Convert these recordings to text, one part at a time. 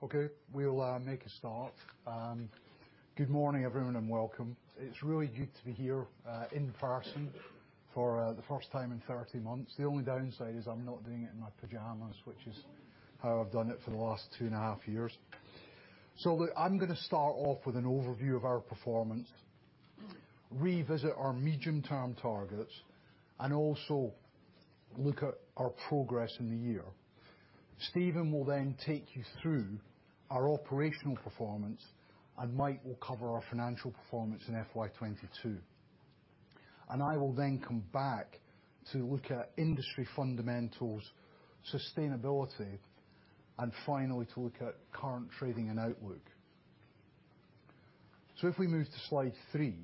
Okay, we'll make a start. Good morning, everyone, and welcome. It's really good to be here in person for the first time in 30 months. The only downside is I'm not doing it in my pajamas, which is how I've done it for the last 2.5 years. Look, I'm gonna start off with an overview of our performance, revisit our medium-term targets, and also look at our progress in the year. Steven will then take you through our operational performance, and Mike will cover our financial performance in FY 2022. I will then come back to look at industry fundamentals, sustainability, and finally to look at current trading and outlook. If we move to slide three.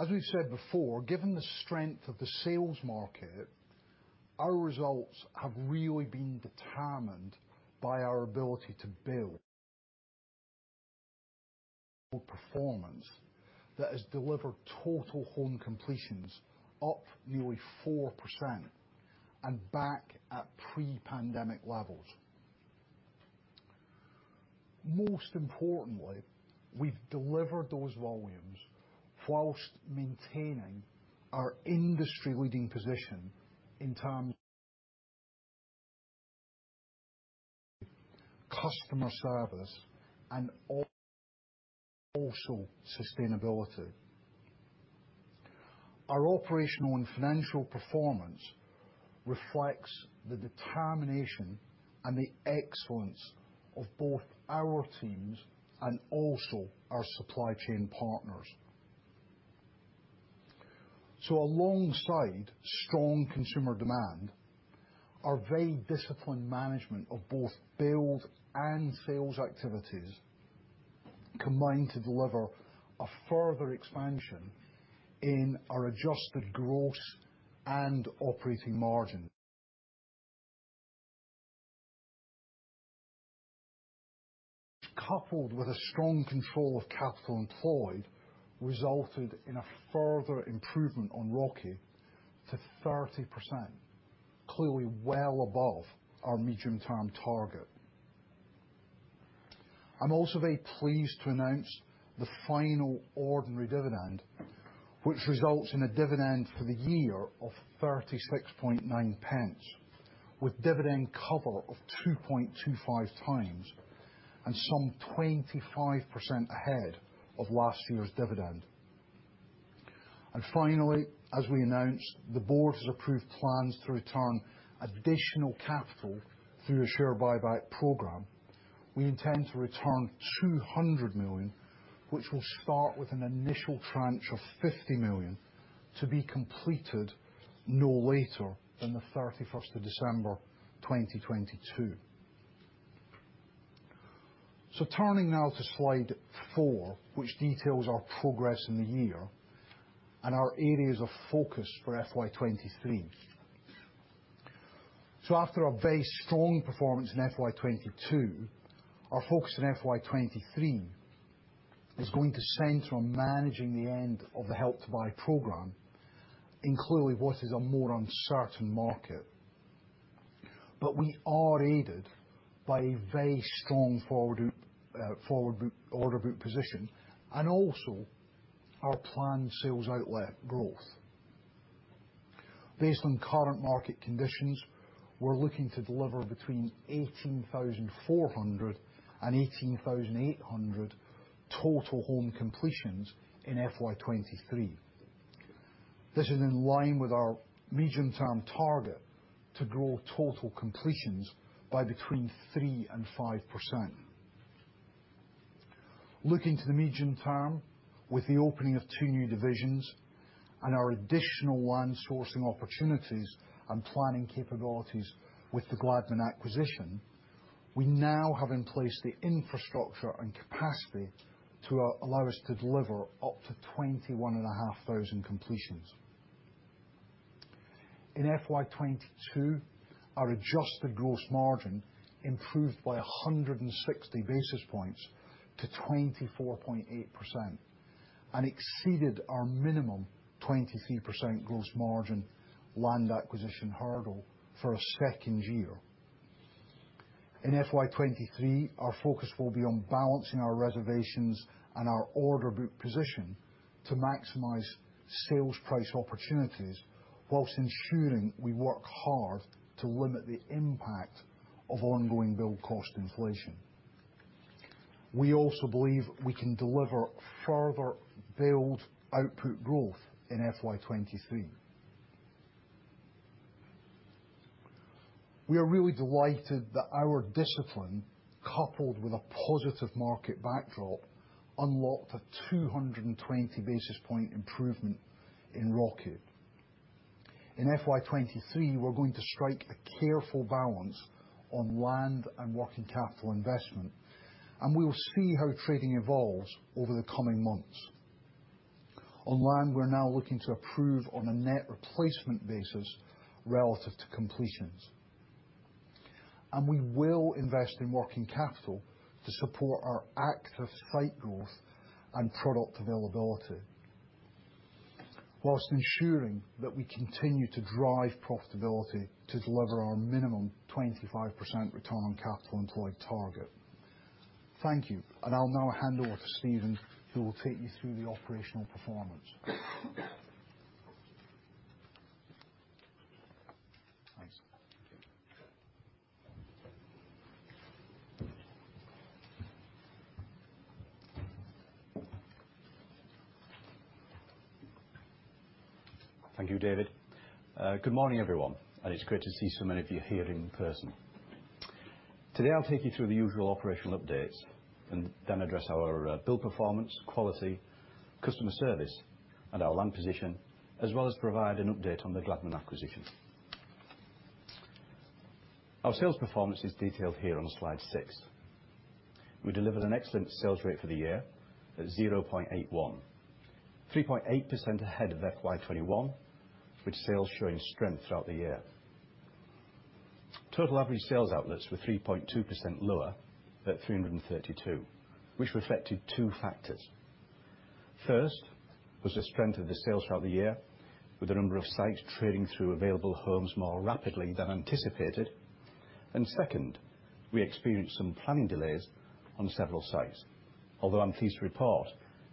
As we've said before, given the strength of the sales market, our results have really been determined by our ability to build performance that has delivered total home completions up nearly 4% and back at pre-pandemic levels. Most importantly, we've delivered those volumes while maintaining our industry-leading position in terms customer service and also sustainability. Our operational and financial performance reflects the determination and the excellence of both our teams and also our supply chain partners. Alongside strong consumer demand, our very disciplined management of both build and sales activities combined to deliver a further expansion in our adjusted gross and operating margin. Coupled with a strong control of capital employed, resulted in a further improvement on ROCE to 30%, clearly well above our medium-term target. I'm also very pleased to announce the final ordinary dividend, which results in a dividend for the year of 0.369, with dividend cover of 2.25x, and some 25% ahead of last year's dividend. Finally, as we announced, the board has approved plans to return additional capital through a share buyback program. We intend to return 200 million, which will start with an initial tranche of 50 million, to be completed no later than the 31st of December, 2022. Turning now to slide four, which details our progress in the year and our areas of focus for FY 2023. After a very strong performance in FY 2022, our focus in FY 2023 is going to center on managing the end of the Help to Buy program in clearly what is a more uncertain market. We are aided by a very strong order book position and also our planned sales outlet growth. Based on current market conditions, we're looking to deliver between 18,400 and 18,800 total home completions in FY 2023. This is in line with our medium-term target to grow total completions by between 3% and 5%. Looking to the medium term, with the opening of two new divisions and our additional land sourcing opportunities and planning capabilities with the Gladman acquisition, we now have in place the infrastructure and capacity to allow us to deliver up to 21,500 completions. In FY 2022, our adjusted gross margin improved by 160 basis points to 24.8% and exceeded our minimum 23% gross margin land acquisition hurdle for a second year. In FY 2023, our focus will be on balancing our reservations and our order book position to maximize sales price opportunities whilst ensuring we work hard to limit the impact of ongoing build cost inflation. We also believe we can deliver further build output growth in FY 2023. We are really delighted that our discipline, coupled with a positive market backdrop, unlocked a 220 basis point improvement in ROCE. In FY 2023, we're going to strike a careful balance on land and working capital investment, and we will see how trading evolves over the coming months. On land, we're now looking to approve on a net replacement basis relative to completions. We will invest in working capital to support our active site growth and product availability, whilst ensuring that we continue to drive profitability to deliver our minimum 25% return on capital employed target. Thank you, and I'll now hand over to Steven, who will take you through the operational performance. Thanks. Thank you, David. Good morning, everyone, and it's great to see so many of you here in person. Today, I'll take you through the usual operational updates and then address our build performance, quality, customer service, and our land position, as well as provide an update on the Gladman acquisition. Our sales performance is detailed here on slide 6. We delivered an excellent sales rate for the year at 0.81. 3.8% ahead of FY 2021, with sales showing strength throughout the year. Total average sales outlets were 3.2% lower at 332, which reflected two factors. First, was the strength of the sales throughout the year, with a number of sites trading through available homes more rapidly than anticipated. Second, we experienced some planning delays on several sites. Although I'm pleased to report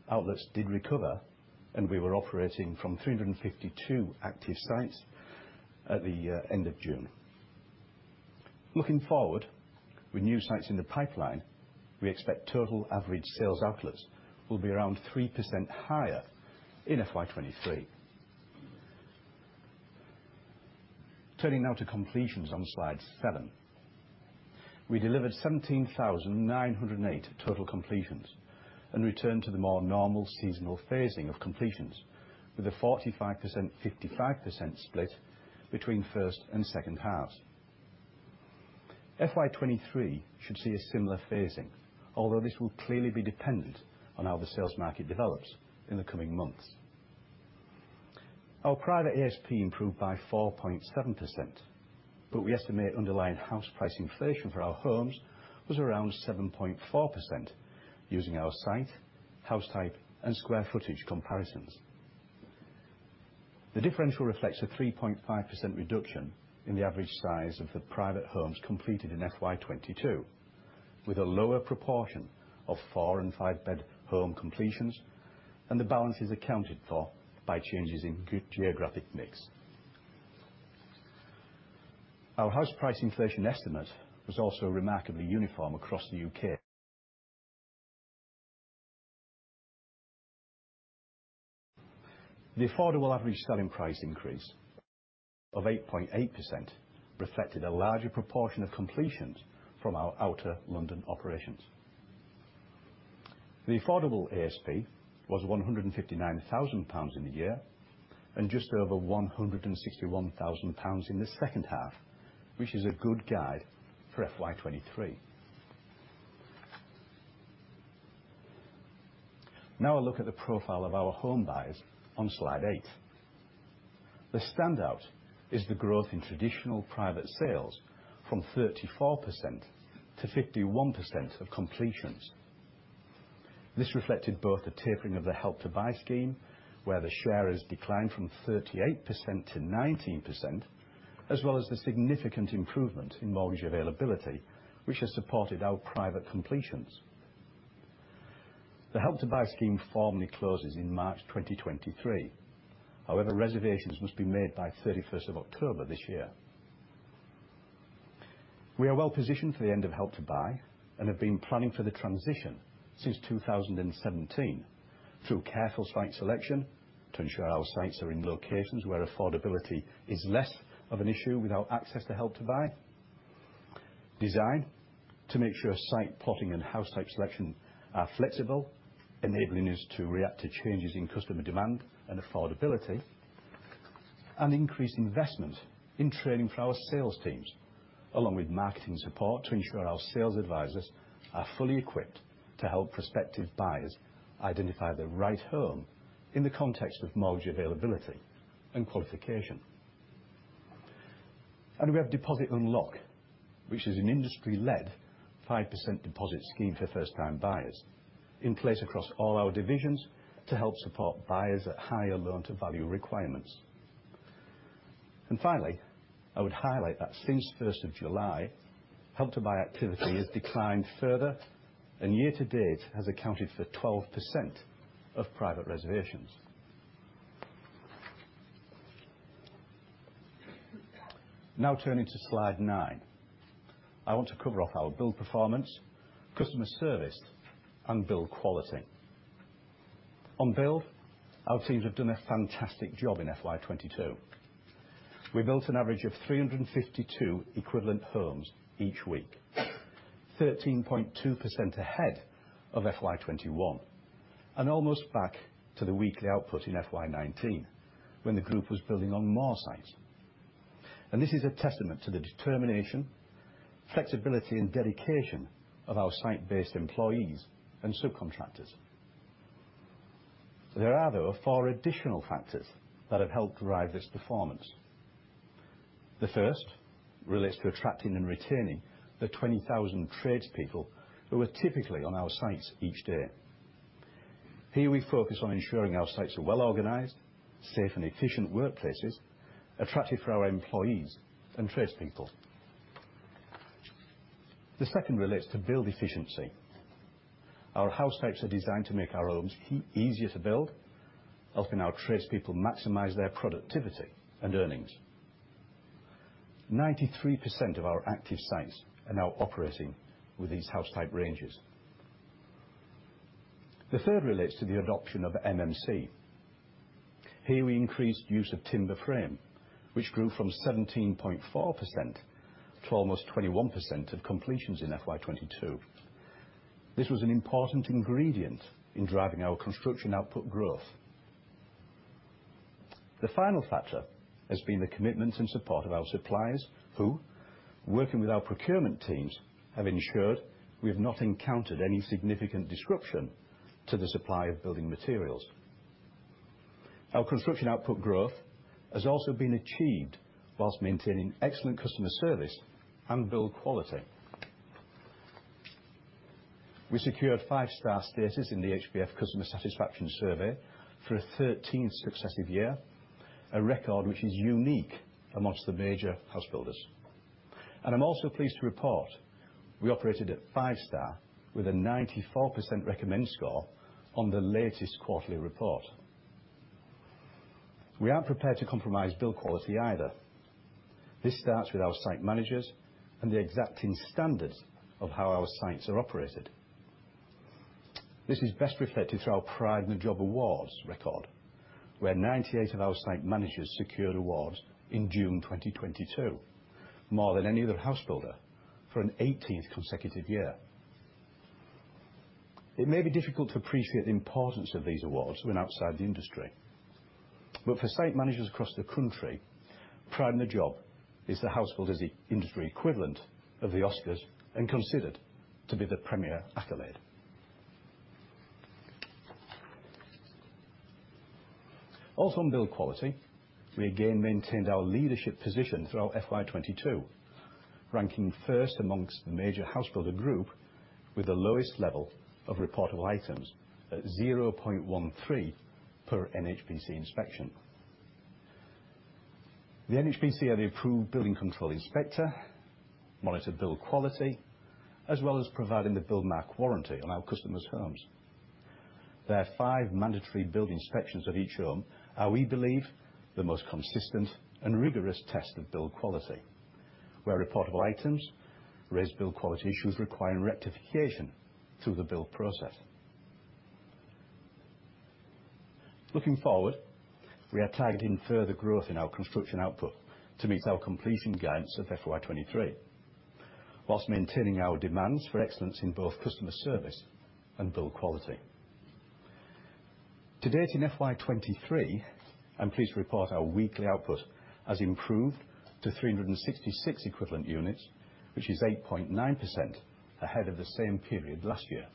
outlets did recover, and we were operating from 352 active sites at the end of June. Looking forward, with new sites in the pipeline, we expect total average sales outlets will be around 3% higher in FY 2023. Turning now to completions on slide seven. We delivered 17,908 total completions and returned to the more normal seasonal phasing of completions with a 45%, 55% split between first and second halves. FY 2023 should see a similar phasing, although this will clearly be dependent on how the sales market develops in the coming months. Our private ASP improved by 4.7%, but we estimate underlying house price inflation for our homes was around 7.4% using our site, house type, and square footage comparisons. The differential reflects a 3.5% reduction in the average size of the private homes completed in FY 2022, with a lower proportion of four- and five-bed home completions, and the balance is accounted for by changes in geographic mix. Our house price inflation estimate was also remarkably uniform across the U.K. The affordable average selling price increase of 8.8% reflected a larger proportion of completions from our Outer London operations. The affordable ASP was 159,000 pounds in the year, and just over 161,000 pounds in the second half, which is a good guide for FY 2023. Now a look at the profile of our home buyers on slide 8. The standout is the growth in traditional private sales from 34% to 51% of completions. This reflected both the tapering of the Help to Buy scheme, where the share has declined from 38%-19%, as well as the significant improvement in mortgage availability, which has supported our private completions. The Help to Buy scheme formally closes in March 2023. However, reservations must be made by 31st of October this year. We are well positioned for the end of Help to Buy and have been planning for the transition since 2017 through careful site selection to ensure our sites are in locations where affordability is less of an issue without access to Help to Buy. Design, to make sure site plotting and house type selection are flexible, enabling us to react to changes in customer demand and affordability. Increased investment in training for our sales teams, along with marketing support to ensure our sales advisors are fully equipped to help prospective buyers identify the right home in the context of mortgage availability and qualification. We have Deposit Unlock, which is an industry-led 5% deposit scheme for first-time buyers in place across all our divisions to help support buyers at higher loan to value requirements. Finally, I would highlight that since first of July, Help to Buy activity has declined further and year to date has accounted for 12% of private reservations. Now turning to slide nine. I want to cover off our build performance, customer service, and build quality. On build, our teams have done a fantastic job in FY 2022. We built an average of 352 equivalent homes each week, 13.2% ahead of FY 2021, and almost back to the weekly output in FY 2019, when the group was building on more sites. This is a testament to the determination, flexibility, and dedication of our site-based employees and subcontractors. There are, though, four additional factors that have helped drive this performance. The first relates to attracting and retaining the 20,000 tradespeople who are typically on our sites each day. Here we focus on ensuring our sites are well organized, safe and efficient workplaces, attractive for our employees and tradespeople. The second relates to build efficiency. Our house types are designed to make our homes easier to build, helping our tradespeople maximize their productivity and earnings. 93% of our active sites are now operating with these house type ranges. The third relates to the adoption of MMC. Here we increased use of timber frame, which grew from 17.4% to almost 21% of completions in FY 2022. This was an important ingredient in driving our construction output growth. The final factor has been the commitment and support of our suppliers, who, working with our procurement teams, have ensured we have not encountered any significant disruption to the supply of building materials. Our construction output growth has also been achieved while maintaining excellent customer service and build quality. We secured five-star status in the HBF Customer Satisfaction Survey for a 13th successive year, a record which is unique amongst the major house builders. I'm also pleased to report we operated at five star with a 94% recommend score on the latest quarterly report. We aren't prepared to compromise build quality either. This starts with our site managers and the exacting standards of how our sites are operated. This is best reflected through our Pride in the Job awards record, where 98 of our site managers secured awards in June 2022, more than any other house builder for an 18th consecutive year. It may be difficult to appreciate the importance of these awards when outside the industry, but for site managers across the country, Pride in the Job is the house builder's industry equivalent of the Oscars, and considered to be the premier accolade. Also, on build quality, we again maintained our leadership position throughout FY 2022, ranking first amongst the major house builder group with the lowest level of reportable items at 0.13 per NHBC inspection. The NHBC are the approved building control inspector, monitor build quality, as well as providing the Buildmark warranty on our customers' homes. Their five mandatory build inspections of each home are, we believe, the most consistent and rigorous test of build quality, where reportable items raise build quality issues requiring rectification through the build process. Looking forward, we are targeting further growth in our construction output to meet our completion guidance of FY 2023, while maintaining our demands for excellence in both customer service and build quality. To date in FY 2023, I'm pleased to report our weekly output has improved to 366 equivalent units, which is 8.9% ahead of the same period last year.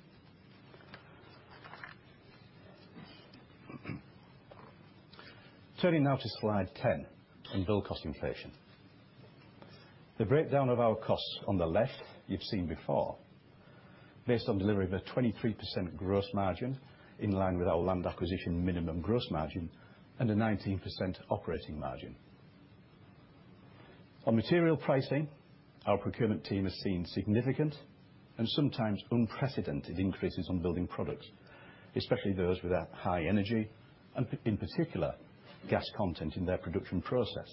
Turning now to slide 10 on build cost inflation. The breakdown of our costs on the left you've seen before. Based on delivery of a 23% gross margin, in line with our land acquisition minimum gross margin and a 19% operating margin. On material pricing, our procurement team has seen significant and sometimes unprecedented increases on building products, especially those with a high energy and in particular gas content in their production process.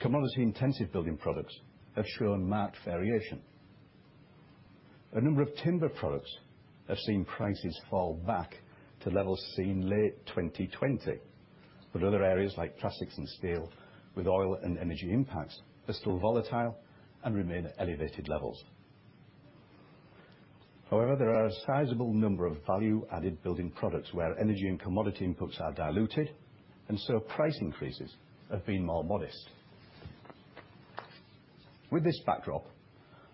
Commodity-intensive building products have shown marked variation. A number of timber products have seen prices fall back to levels seen late 2020, but other areas like plastics and steel with oil and energy impacts are still volatile and remain at elevated levels. However, there are a sizable number of value-added building products where energy and commodity inputs are diluted and so price increases have been more modest. With this backdrop,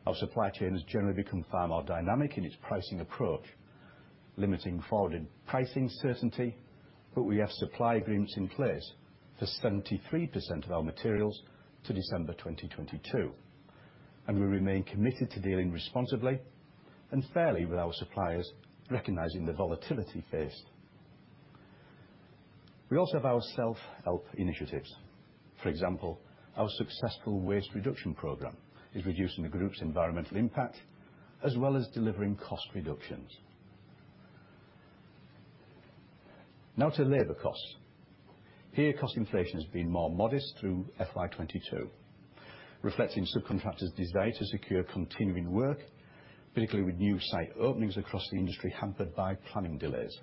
our supply chain has generally become far more dynamic in its pricing approach, limiting forward in pricing certainty. We have supply agreements in place for 73% of our materials to December 2022, and we remain committed to dealing responsibly and fairly with our suppliers, recognizing the volatility faced. We also have our self-help initiatives. For example, our successful waste reduction program is reducing the group's environmental impact as well as delivering cost reductions. Now to labor costs. Here, cost inflation has been more modest through FY 2022, reflecting subcontractors' desire to secure continuing work, particularly with new site openings across the industry hampered by planning delays.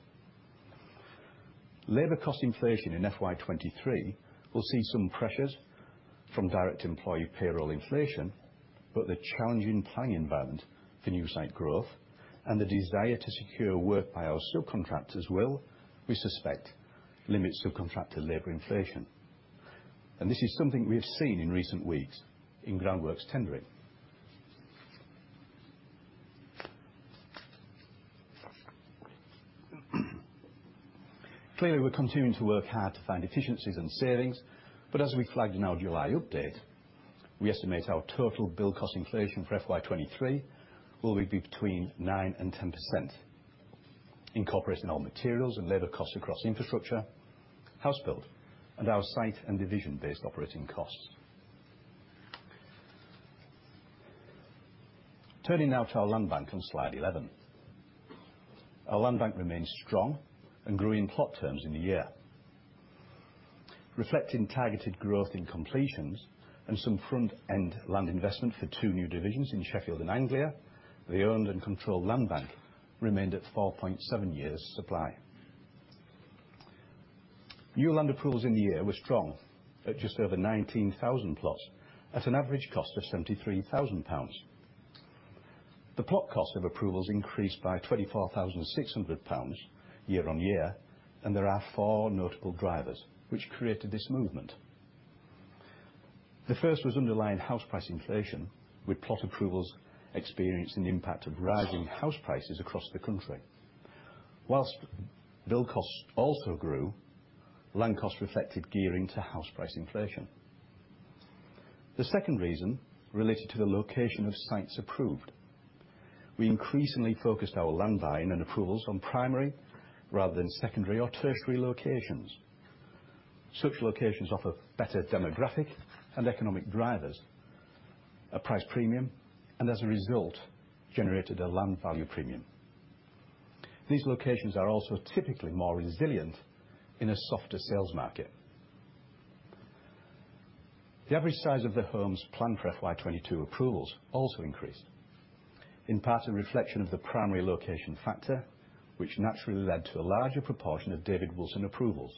Labor cost inflation in FY 2023 will see some pressures from direct employee payroll inflation, but the challenging planning environment for new site growth and the desire to secure work by our subcontractors will, we suspect, limit subcontractor labor inflation. This is something we have seen in recent weeks in groundworks tendering. Clearly, we're continuing to work hard to find efficiencies and savings, but as we flagged in our July update, we estimate our total build cost inflation for FY 2023 will be between 9% and 10%, incorporating all materials and labor costs across infrastructure, house build, and our site and division-based operating costs. Turning now to our land bank on slide 11. Our land bank remains strong and grew in plot terms in the year. Reflecting targeted growth in completions and some front-end land investment for two new divisions in Sheffield and Anglia, the owned and controlled land bank remained at 4.7 years supply. New land approvals in the year were strong at just over 19,000 plots at an average cost of 73,000 pounds. The plot cost of approvals increased by 24,600 pounds year-over-year, and there are four notable drivers which created this movement. The first was underlying house price inflation, with plot approvals experiencing the impact of rising house prices across the country. While build costs also grew, land costs reflected gearing to house price inflation. The second reason related to the location of sites approved. We increasingly focused our land buying and approvals on primary rather than secondary or tertiary locations. Such locations offer better demographic and economic drivers, a price premium, and as a result, generated a land value premium. These locations are also typically more resilient in a softer sales market. The average size of the homes planned for FY 2022 approvals also increased. In part, a reflection of the primary location factor which naturally led to a larger proportion of David Wilson Homes approvals,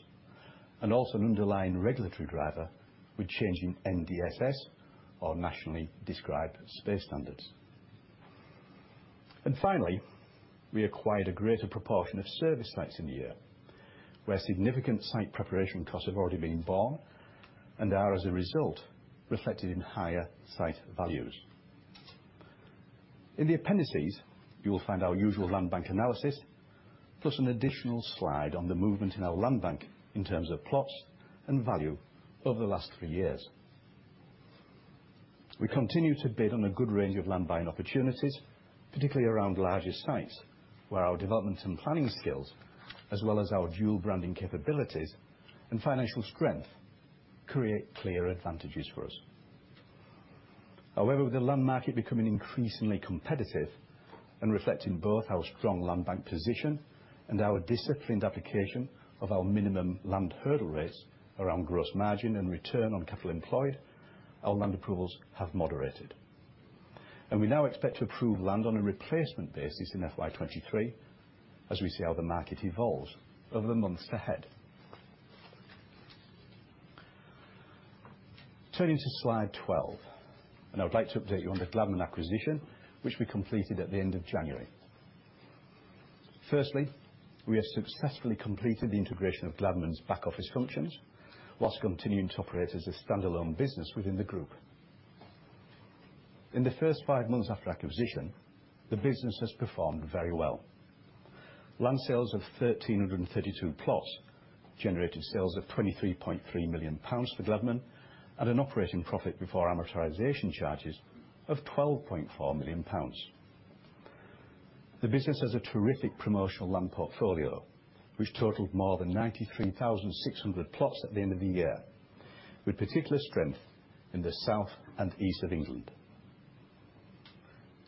and also an underlying regulatory driver with change in NDSS or Nationally Described Space Standard. Finally, we acquired a greater proportion of serviced sites in the year, where significant site preparation costs have already been borne and are, as a result, reflected in higher site values. In the appendices, you will find our usual land bank analysis, plus an additional slide on the movement in our land bank in terms of plots and value over the last three years. We continue to bid on a good range of land buying opportunities, particularly around larger sites, where our development and planning skills, as well as our dual branding capabilities and financial strength create clear advantages for us. However, with the land market becoming increasingly competitive and reflecting both our strong land bank position and our disciplined application of our minimum land hurdle rates around gross margin and return on capital employed, our land approvals have moderated. We now expect to approve land on a replacement basis in FY 2023, as we see how the market evolves over the months ahead. Turning to slide 12, I would like to update you on the Gladman acquisition, which we completed at the end of January. Firstly, we have successfully completed the integration of Gladman's back office functions while continuing to operate as a standalone business within the group. In the first five months after acquisition, the business has performed very well. Land sales of 1,332 plots generated sales of 23.3 million pounds for Gladman and an operating profit before amortization charges of 12.4 million pounds. The business has a terrific promotional land portfolio which totaled more than 93,600 plots at the end of the year, with particular strength in the South and East of England.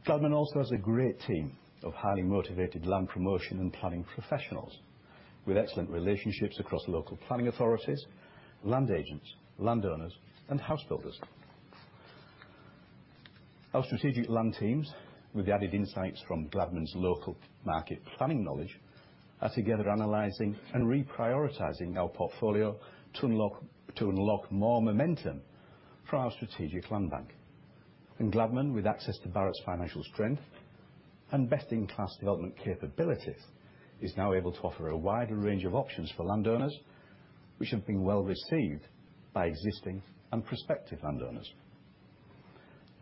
Gladman also has a great team of highly motivated land promotion and planning professionals with excellent relationships across local planning authorities, land agents, landowners, and house builders. Our strategic land teams, with the added insights from Gladman's local market planning knowledge, are together analyzing and reprioritizing our portfolio to unlock more momentum for our strategic land bank. Gladman, with access to Barratt's financial strength and best-in-class development capabilities, is now able to offer a wider range of options for landowners, which have been well received by existing and prospective landowners.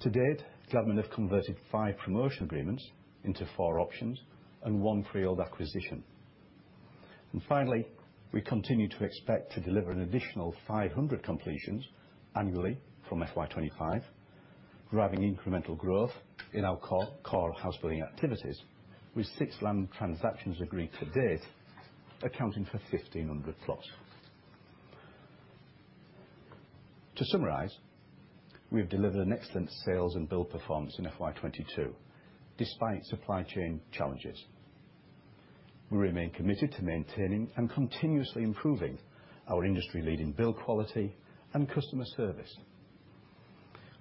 To date, Gladman have converted five promotion agreements into four options and one pre-owned acquisition. Finally, we continue to expect to deliver an additional 500 completions annually from FY 2025, driving incremental growth in our core housebuilding activities, with six land transactions agreed to date, accounting for 1,500 plots. To summarize, we have delivered an excellent sales and build performance in FY 2022 despite supply chain challenges. We remain committed to maintaining and continuously improving our industry-leading build quality and customer service.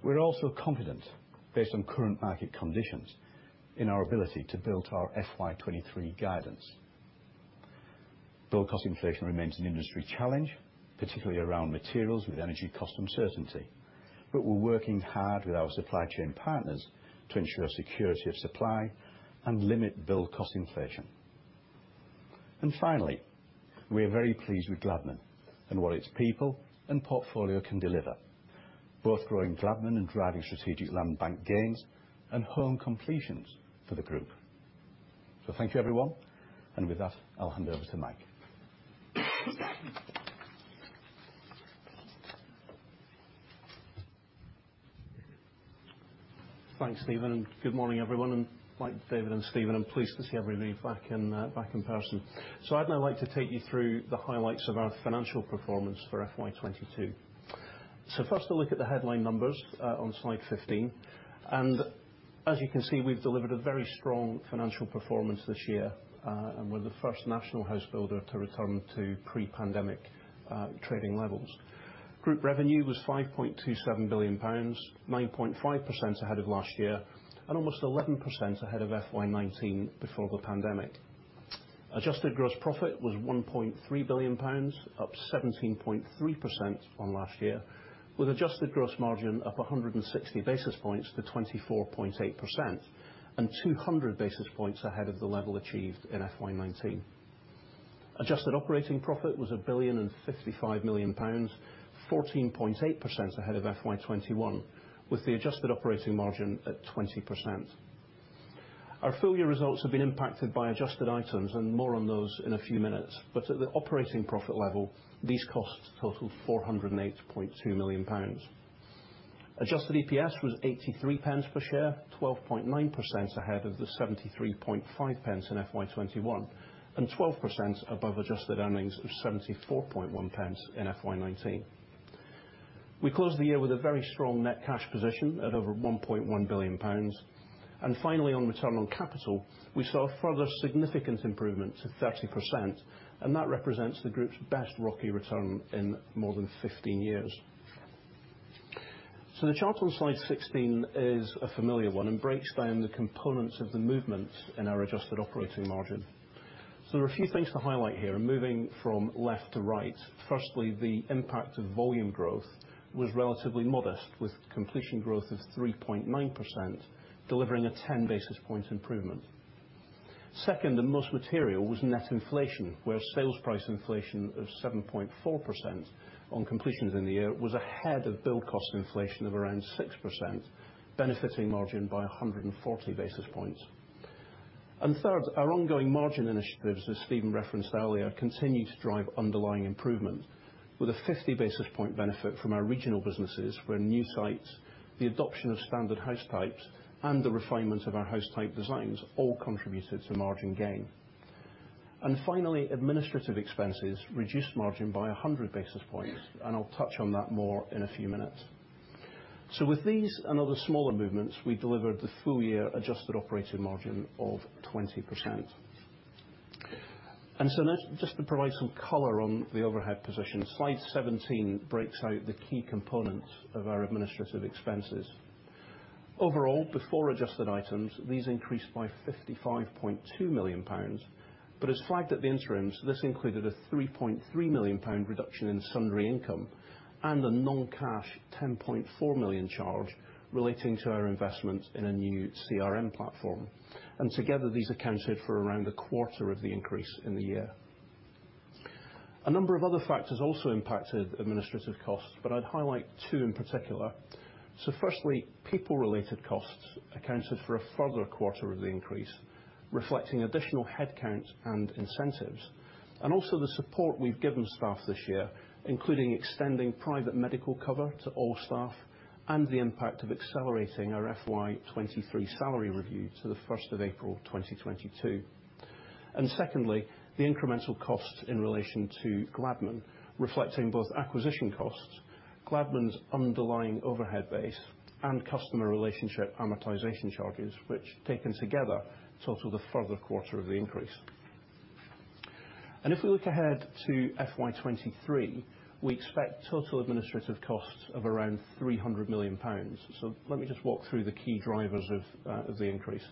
We're also confident, based on current market conditions, in our ability to build to our FY 2023 guidance. Build cost inflation remains an industry challenge, particularly around materials with energy cost uncertainty, but we're working hard with our supply chain partners to ensure security of supply and limit build cost inflation. Finally, we are very pleased with Gladman and what its people and portfolio can deliver, both growing Gladman and driving strategic land bank gains and home completions for the group. Thank you everyone, and with that, I'll hand over to Mike. Thanks, Steven, and good morning everyone. Like David and Steven, I'm pleased to see everybody back in person. I'd now like to take you through the highlights of our financial performance for FY 2022. First a look at the headline numbers on slide 15. As you can see, we've delivered a very strong financial performance this year, and we're the first national housebuilder to return to pre-pandemic trading levels. Group revenue was 5.27 billion pounds, 9.5% ahead of last year, and almost 11% ahead of FY 2019 before the pandemic. Adjusted gross profit was 1.3 billion pounds, up 17.3% on last year, with adjusted gross margin up 160 basis points to 24.8% and 200 basis points ahead of the level achieved in FY 2019. Adjusted operating profit was 1.055 billion, 14.8% ahead of FY 2021, with the adjusted operating margin at 20%. Our full year results have been impacted by adjusted items, and more on those in a few minutes. At the operating profit level, these costs totaled 408.2 million pounds. Adjusted EPS was 83 pence per share, 12.9% ahead of the 73.5 pence in FY 2021, and 12% above adjusted earnings of 74.1 pence in FY 2019. We closed the year with a very strong net cash position at over 1.1 billion pounds. Finally, on return on capital, we saw a further significant improvement to 30%, and that represents the group's best ROCE return in more than 15 years. The chart on slide 16 is a familiar one and breaks down the components of the movement in our adjusted operating margin. There are a few things to highlight here, moving from left to right. Firstly, the impact of volume growth was relatively modest, with completion growth of 3.9% delivering a ten basis point improvement. Second, and most material, was net inflation, where sales price inflation of 7.4% on completions in the year was ahead of build cost inflation of around 6%, benefiting margin by a hundred and forty basis points. Third, our ongoing margin initiatives, as Steven referenced earlier, continue to drive underlying improvement with a 50 basis point benefit from our regional businesses where new sites, the adoption of standard house types, and the refinement of our house type designs all contributed to margin gain. Finally, administrative expenses reduced margin by 100 basis points, and I'll touch on that more in a few minutes. With these and other smaller movements, we delivered the full year adjusted operating margin of 20%. Next, just to provide some color on the overhead position, slide 17 breaks out the key components of our administrative expenses. Overall, before adjusted items, these increased by 55.2 million pounds, but as flagged at the interims, this included a 3.3 million pound reduction in sundry income and a non-cash 10.4 million charge relating to our investment in a new CRM platform. Together, these accounted for around a quarter of the increase in the year. A number of other factors also impacted administrative costs, but I'd highlight two in particular. Firstly, people related costs accounted for a further quarter of the increase, reflecting additional headcount and incentives, and also the support we've given staff this year, including extending private medical cover to all staff and the impact of accelerating our FY 2023 salary review to the first of April, 2022. Secondly, the incremental cost in relation to Gladman, reflecting both acquisition costs, Gladman's underlying overhead base, and customer relationship amortization charges, which, taken together, total the further quarter of the increase. If we look ahead to FY 2023, we expect total administrative costs of around 300 million pounds. Let me just walk through the key drivers of the increase.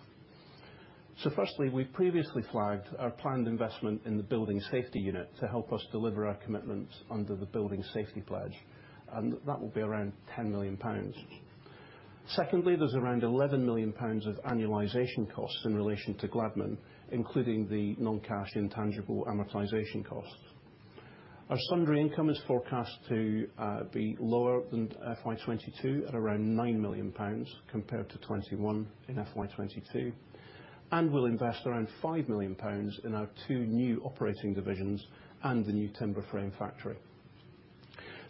Firstly, we previously flagged our planned investment in the building safety unit to help us deliver our commitments under the Building Safety Pledge, and that will be around 10 million pounds. Secondly, there's around 11 million pounds of annualization costs in relation to Gladman, including the non-cash intangible amortization costs. Our sundry income is forecast to be lower than FY 2022 at around 9 million pounds compared to 21 in FY 2022, and we'll invest around 5 million pounds in our two new operating divisions and the new timber frame factory.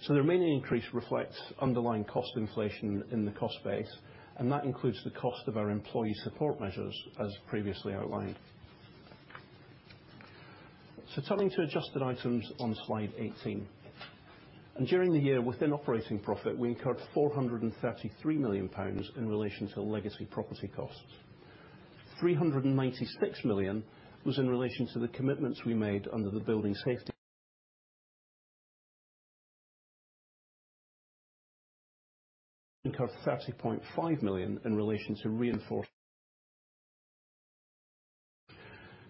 The remaining increase reflects underlying cost inflation in the cost base, and that includes the cost of our employee support measures as previously outlined. Turning to adjusted items on slide 18. During the year within operating profit, we incurred 433 million pounds in relation to legacy property costs. 396 million was in relation to the commitments we made under the Building Safety Pledge. Incurred 30.5 million in relation to RAAC.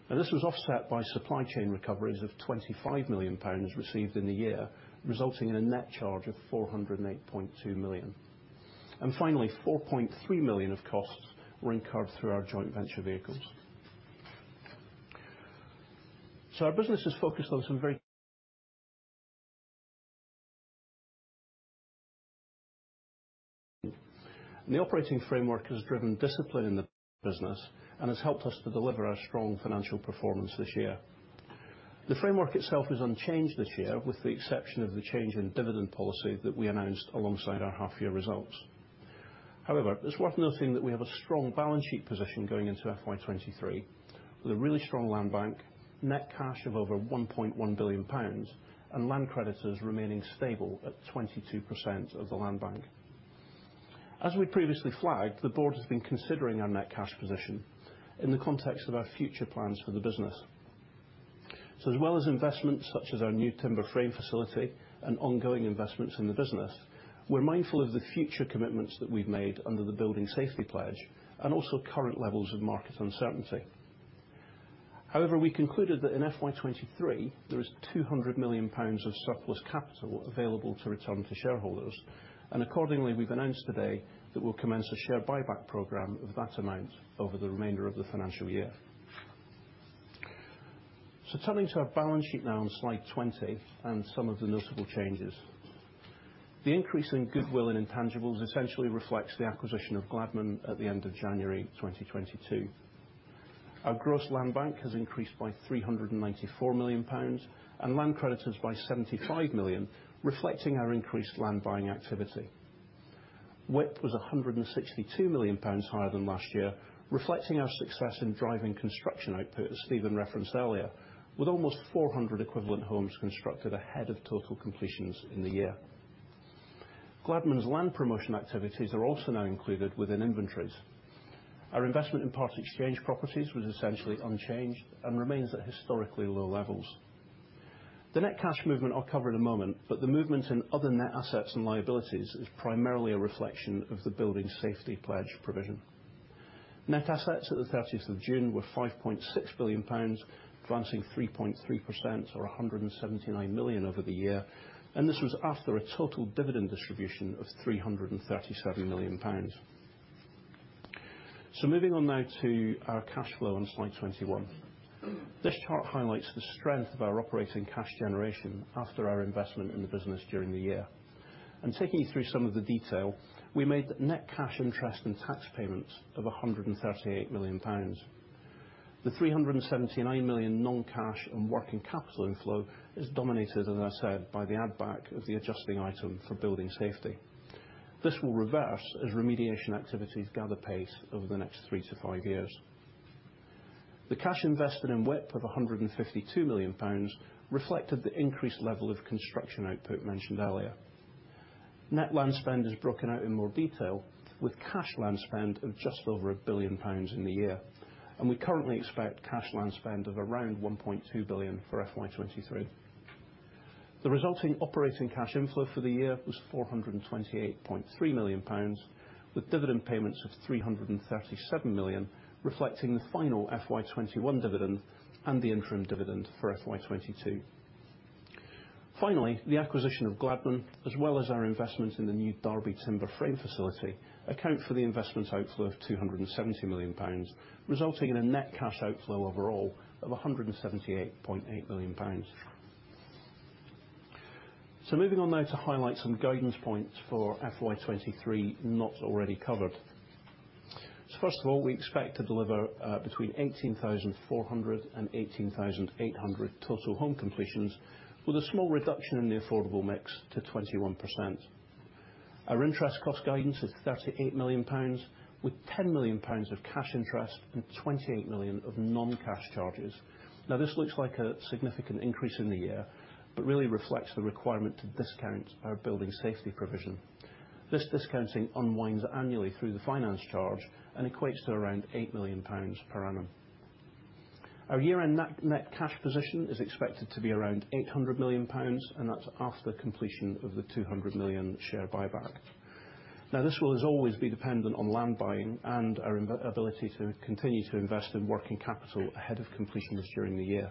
Now this was offset by supply chain recoveries of 25 million pounds received in the year, resulting in a net charge of 408.2 million. Finally, 4.3 million of costs were incurred through our joint venture vehicles. The operating framework has driven discipline in the business and has helped us to deliver our strong financial performance this year. The framework itself is unchanged this year, with the exception of the change in dividend policy that we announced alongside our half-year results. However, it's worth noting that we have a strong balance sheet position going into FY 2023, with a really strong land bank, net cash of over 1.1 billion pounds, and land credits remaining stable at 22% of the land bank. As we previously flagged, the board has been considering our net cash position in the context of our future plans for the business. As well as investments such as our new timber frame facility and ongoing investments in the business, we're mindful of the future commitments that we've made under the Building Safety Pledge, and also current levels of market uncertainty. However, we concluded that in FY 2023 there is 200 million pounds of surplus capital available to return to shareholders, and accordingly, we've announced today that we'll commence a share buyback program of that amount over the remainder of the financial year. Turning to our balance sheet now on slide 20 and some of the notable changes. The increase in goodwill and intangibles essentially reflects the acquisition of Gladman at the end of January 2022. Our gross land bank has increased by 394 million pounds and land credits by 75 million, reflecting our increased land buying activity. WIP was 162 million pounds higher than last year, reflecting our success in driving construction output as Steven referenced earlier, with almost 400 equivalent homes constructed ahead of total completions in the year. Gladman’s land promotion activities are also now included within inventories. Our investment in part exchange properties was essentially unchanged and remains at historically low levels. The net cash movement I’ll cover in a moment, but the movement in other net assets and liabilities is primarily a reflection of the Building Safety Pledge provision. Net assets at the 30th of June were 5.6 billion pounds, advancing 3.3% or 179 million over the year, and this was after a total dividend distribution of 337 million pounds. Moving on now to our cash flow on slide 21. This chart highlights the strength of our operating cash generation after our investment in the business during the year. Taking you through some of the detail, we made net cash interest and tax payments of 138 million pounds. The 379 million non-cash and working capital inflow is dominated, as I said, by the add back of the adjusting item for building safety. This will reverse as remediation activities gather pace over the next three to five years. The cash invested in WIP of 152 million pounds reflected the increased level of construction output mentioned earlier. Net land spend is broken out in more detail with cash land spend of just over 1 billion pounds in the year, and we currently expect cash land spend of around 1.2 billion for FY 2023. The resulting operating cash inflow for the year was 428.3 million pounds, with dividend payments of 337 million, reflecting the final FY 2021 dividend and the interim dividend for FY 2022. Finally, the acquisition of Gladman, as well as our investment in the new Derby timber frame facility, account for the investment outflow of 270 million pounds, resulting in a net cash outflow overall of 178.8 million pounds. Moving on now to highlight some guidance points for FY 2023 not already covered. First of all, we expect to deliver between 18,400 and 18,800 total home completions, with a small reduction in the affordable mix to 21%. Our interest cost guidance is 38 million pounds, with 10 million pounds of cash interest and 28 million of non-cash charges. Now this looks like a significant increase in the year, but really reflects the requirement to discount our building safety provision. This discounting unwinds annually through the finance charge and equates to around 8 million pounds per annum. Our year-end net cash position is expected to be around 800 million pounds, and that's after completion of the 200 million share buyback. Now, this will as always be dependent on land buying and our ability to continue to invest in working capital ahead of completions during the year.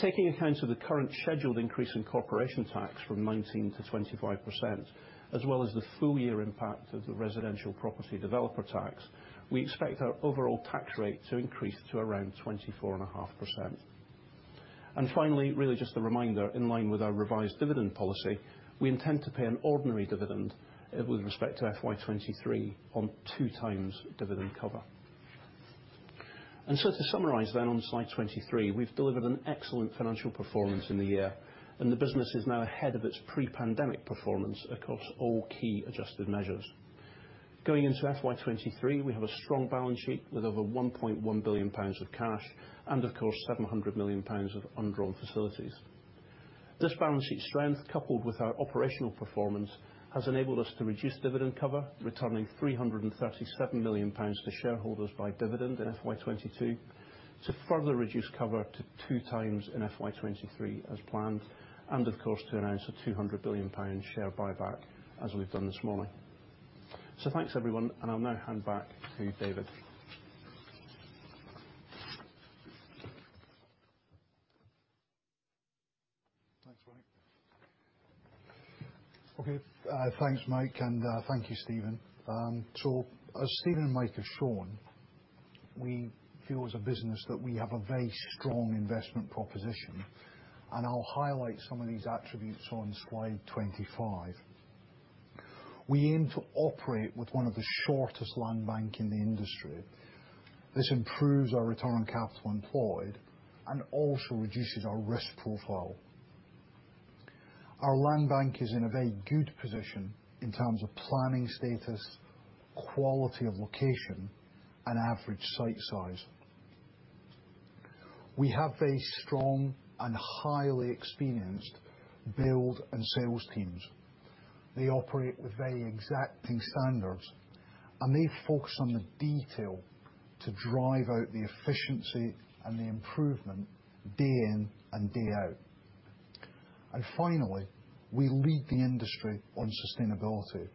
Taking account of the current scheduled increase in corporation tax from 19%-25%, as well as the full year impact of the Residential Property Developer Tax, we expect our overall tax rate to increase to around 24.5%. Finally, really just a reminder, in line with our revised dividend policy, we intend to pay an ordinary dividend with respect to FY 2023 on 2x dividend cover. To summarize then on slide 23, we've delivered an excellent financial performance in the year, and the business is now ahead of its pre-pandemic performance across all key adjusted measures. Going into FY 2023, we have a strong balance sheet with over 1.1 billion pounds of cash and of course 700 million pounds of undrawn facilities. This balance sheet strength, coupled with our operational performance, has enabled us to reduce dividend cover, returning 337 million pounds to shareholders by dividend in FY 2022 to further reduce cover to 2x in FY 2023 as planned, and of course, to announce a 200 billion pound share buyback, as we've done this morning. Thanks everyone, and I'll now hand back to David. Thanks, Mike. Okay, thanks Mike, and thank you, Steven. As Steven and Mike have shown, we feel as a business that we have a very strong investment proposition, and I'll highlight some of these attributes on slide 25. We aim to operate with one of the shortest land bank in the industry. This improves our return on capital employed and also reduces our risk profile. Our land bank is in a very good position in terms of planning status, quality of location, and average site size. We have very strong and highly experienced build and sales teams. They operate with very exacting standards, and they focus on the detail to drive out the efficiency and the improvement day in and day out. Finally, we lead the industry on sustainability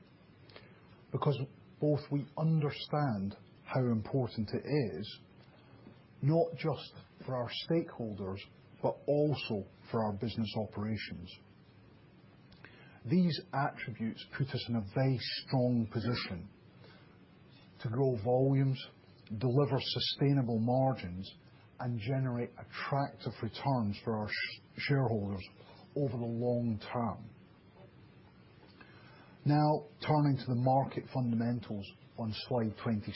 because both we understand how important it is, not just for our stakeholders, but also for our business operations. These attributes put us in a very strong position to grow volumes, deliver sustainable margins, and generate attractive returns for our shareholders over the long term. Now, turning to the market fundamentals on slide 26.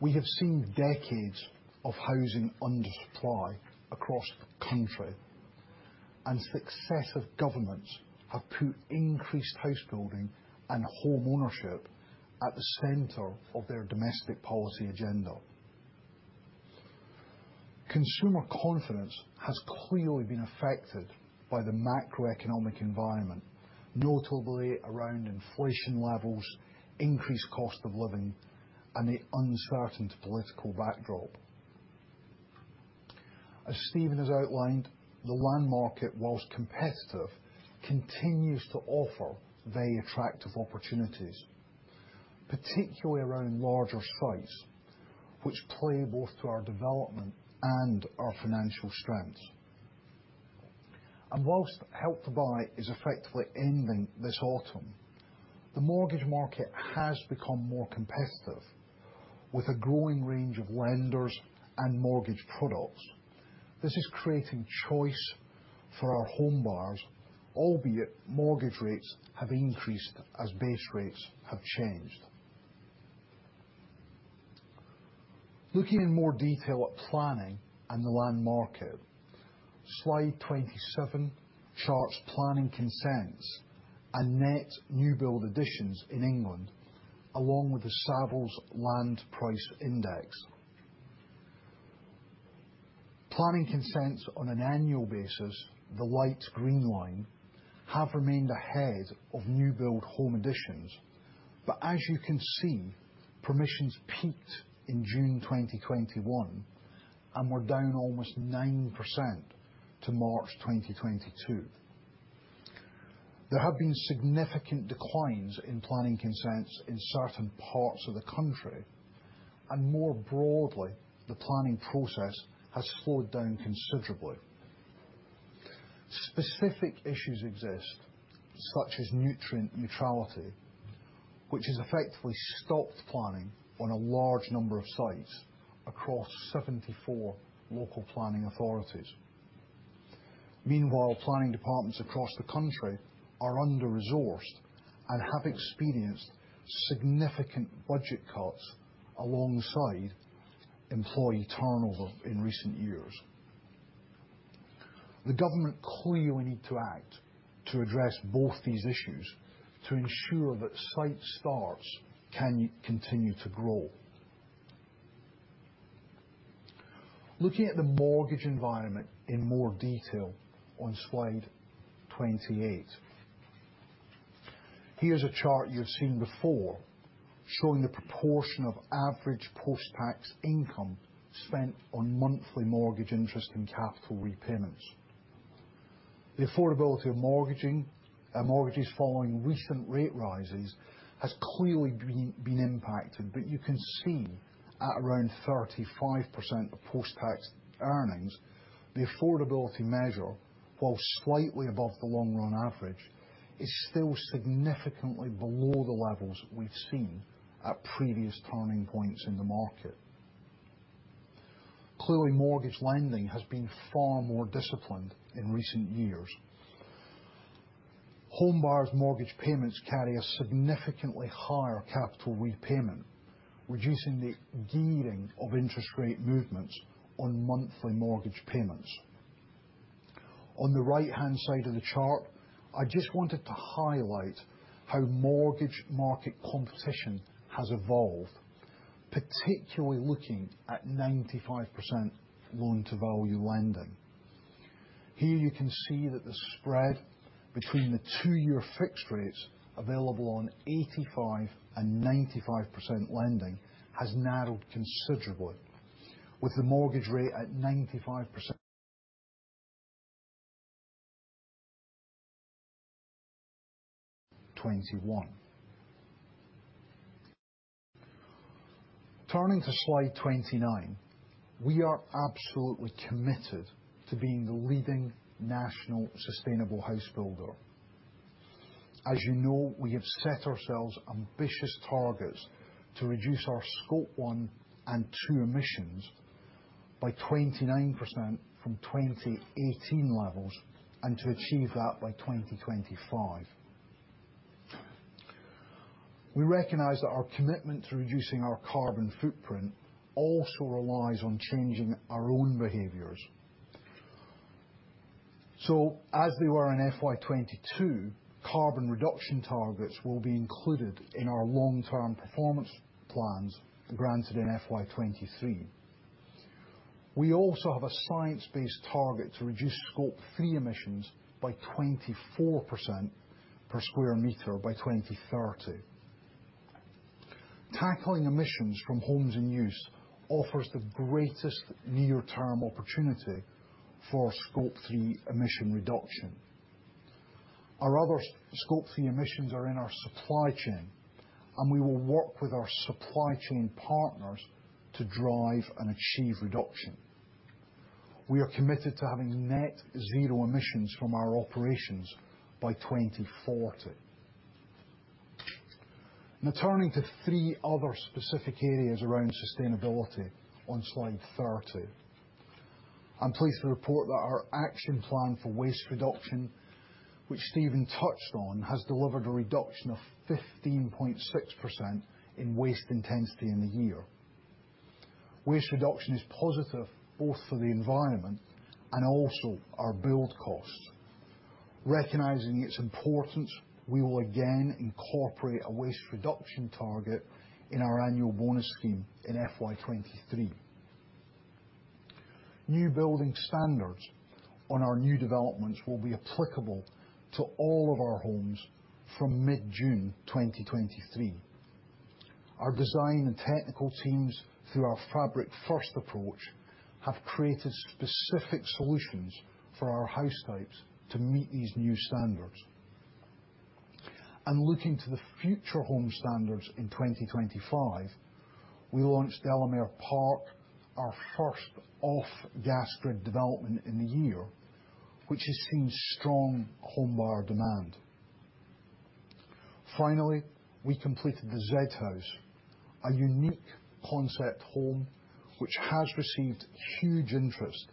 We have seen decades of housing undersupply across the country, and successive governments have put increased house building and home ownership at the center of their domestic policy agenda. Consumer confidence has clearly been affected by the macroeconomic environment, notably around inflation levels, increased cost of living, and the uncertain political backdrop. As Stephen has outlined, the land market, while competitive, continues to offer very attractive opportunities, particularly around larger sites which play both to our development and our financial strengths. While Help to Buy is effectively ending this autumn, the mortgage market has become more competitive with a growing range of lenders and mortgage products. This is creating choice for our home buyers, albeit mortgage rates have increased as base rates have changed. Looking in more detail at planning and the land market, slide 27 charts planning consents and net new build additions in England, along with the Savills Land Price Index. Planning consents on an annual basis, the light green line, have remained ahead of new build home additions. As you can see, permissions peaked in June 2021 and were down almost 9% to March 2022. There have been significant declines in planning consents in certain parts of the country, and more broadly, the planning process has slowed down considerably. Specific issues exist, such as nutrient neutrality, which has effectively stopped planning on a large number of sites across 74 local planning authorities. Meanwhile, planning departments across the country are under-resourced and have experienced significant budget cuts alongside employee turnover in recent years. The government clearly need to act to address both these issues to ensure that site starts can continue to grow. Looking at the mortgage environment in more detail on slide 28. Here's a chart you've seen before, showing the proportion of average post-tax income spent on monthly mortgage interest and capital repayments. The affordability of mortgages following recent rate rises has clearly been impacted. You can see at around 35% of post-tax earnings, the affordability measure, while slightly above the long run average, is still significantly below the levels we've seen at previous turning points in the market. Clearly, mortgage lending has been far more disciplined in recent years. Home buyers' mortgage payments carry a significantly higher capital repayment, reducing the gearing of interest rate movements on monthly mortgage payments. On the right-hand side of the chart, I just wanted to highlight how mortgage market competition has evolved, particularly looking at 95% loan to value lending. Here you can see that the spread between the two-year fixed rates available on 85 and 95% lending has narrowed considerably, with the mortgage rate at 95%, 21. Turning to slide 29. We are absolutely committed to being the leading national sustainable house builder. As you know, we have set ourselves ambitious targets to reduce our Scope 1 and 2 emissions by 29% from 2018 levels, and to achieve that by 2025. We recognize that our commitment to reducing our carbon footprint also relies on changing our own behaviors. As they were in FY 2022, carbon reduction targets will be included in our long-term performance plans granted in FY 2023. We also have a science-based target to reduce Scope 3 emissions by 24% per square meter by 2030. Tackling emissions from homes in use offers the greatest near-term opportunity for Scope 3 emission reduction. Our other Scope 3 emissions are in our supply chain, and we will work with our supply chain partners to drive and achieve reduction. We are committed to having net zero emissions from our operations by 2040. Now turning to three other specific areas around sustainability on slide 30. I'm pleased to report that our action plan for waste reduction, which Steven touched on, has delivered a reduction of 15.6% in waste intensity in the year. Waste reduction is positive both for the environment and also our build costs. Recognizing its importance, we will again incorporate a waste reduction target in our annual bonus scheme in FY 2023. New building standards on our new developments will be applicable to all of our homes from mid-June 2023. Our design and technical teams, through our fabric first approach, have created specific solutions for our house types to meet these new standards. Looking to the Future Homes Standards in 2025, we launched Delamere Park, our first off-gas grid development in the year, which has seen strong home buyer demand. Finally, we completed the Zed House, a unique concept home which has received huge interest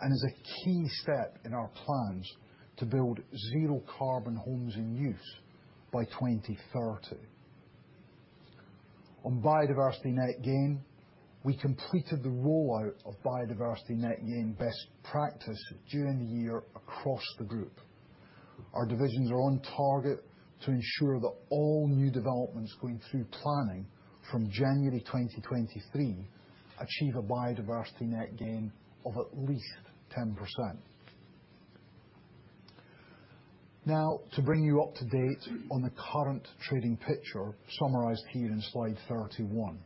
and is a key step in our plans to build zero carbon homes in use by 2030. On biodiversity net gain, we completed the rollout of biodiversity net gain best practice during the year across the group. Our divisions are on target to ensure that all new developments going through planning from January 2023 achieve a biodiversity net gain of at least 10%. Now, to bring you up to date on the current trading picture summarized here in slide 31.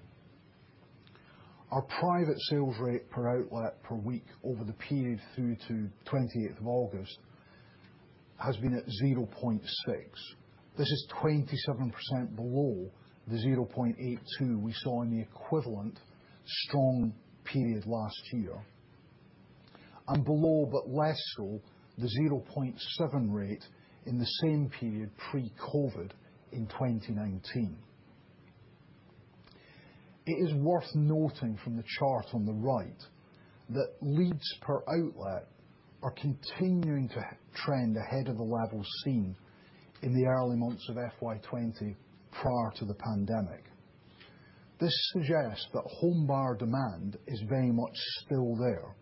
Our private sales rate per outlet per week over the period through to 28th of August has been at 0.6. This is 27% below the 0.82 we saw in the equivalent strong period last year. Below, but less so, the 0.7% rate in the same period pre-COVID in 2019. It is worth noting from the chart on the right that leads per outlet are continuing to uptrend ahead of the levels seen in the early months of FY 2020 prior to the pandemic. This suggests that home buyer demand is very much still there.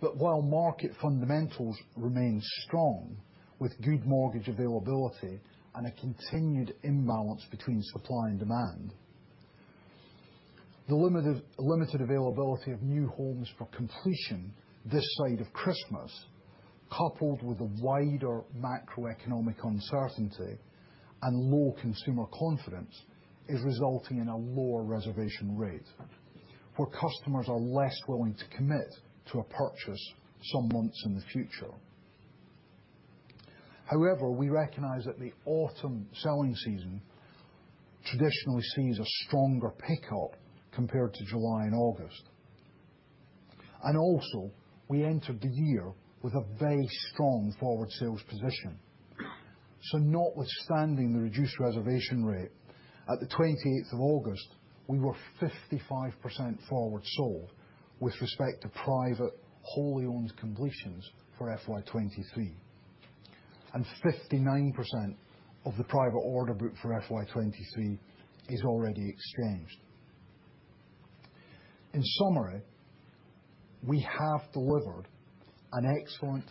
While market fundamentals remain strong with good mortgage availability and a continued imbalance between supply and demand, the limited availability of new homes for completion this side of Christmas, coupled with the wider macroeconomic uncertainty and low consumer confidence, is resulting in a lower reservation rate where customers are less willing to commit to a purchase some months in the future. However, we recognize that the autumn selling season traditionally sees a stronger pickup compared to July and August. Also, we entered the year with a very strong forward sales position. Notwithstanding the reduced reservation rate, at the 28th of August, we were 55% forward sold with respect to private wholly owned completions for FY 2023. Fifty-nine percent of the private order book for FY 2023 is already exchanged. In summary, we have delivered an excellent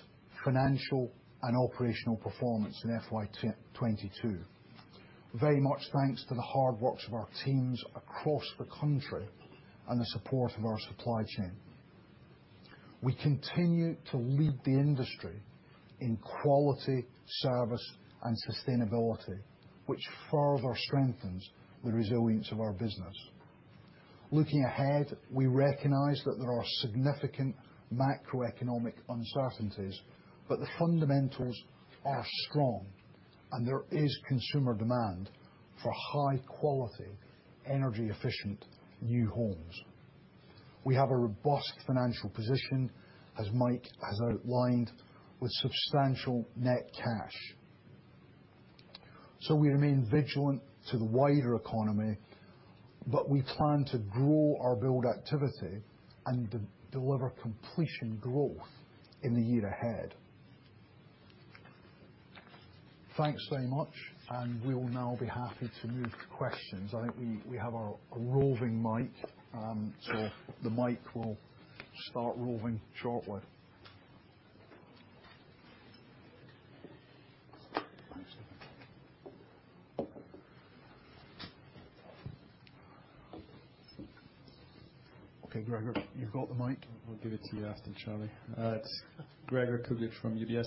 financial and operational performance in FY 2022. Very much thanks to the hard works of our teams across the country and the support of our supply chain. We continue to lead the industry in quality, service, and sustainability, which further strengthens the resilience of our business. Looking ahead, we recognize that there are significant macroeconomic uncertainties, but the fundamentals are strong and there is consumer demand for high quality, energy efficient new homes. We have a robust financial position, as Mike has outlined, with substantial net cash. We remain vigilant to the wider economy, but we plan to grow our build activity and deliver completion growth in the year ahead. Thanks very much, and we will now be happy to move to questions. I think we have a roving mic, so the mic will start roving shortly. Okay, Gregor, you've got the mic. We'll give it to you after Charlie. It's Gregor Kuglitsch from UBS.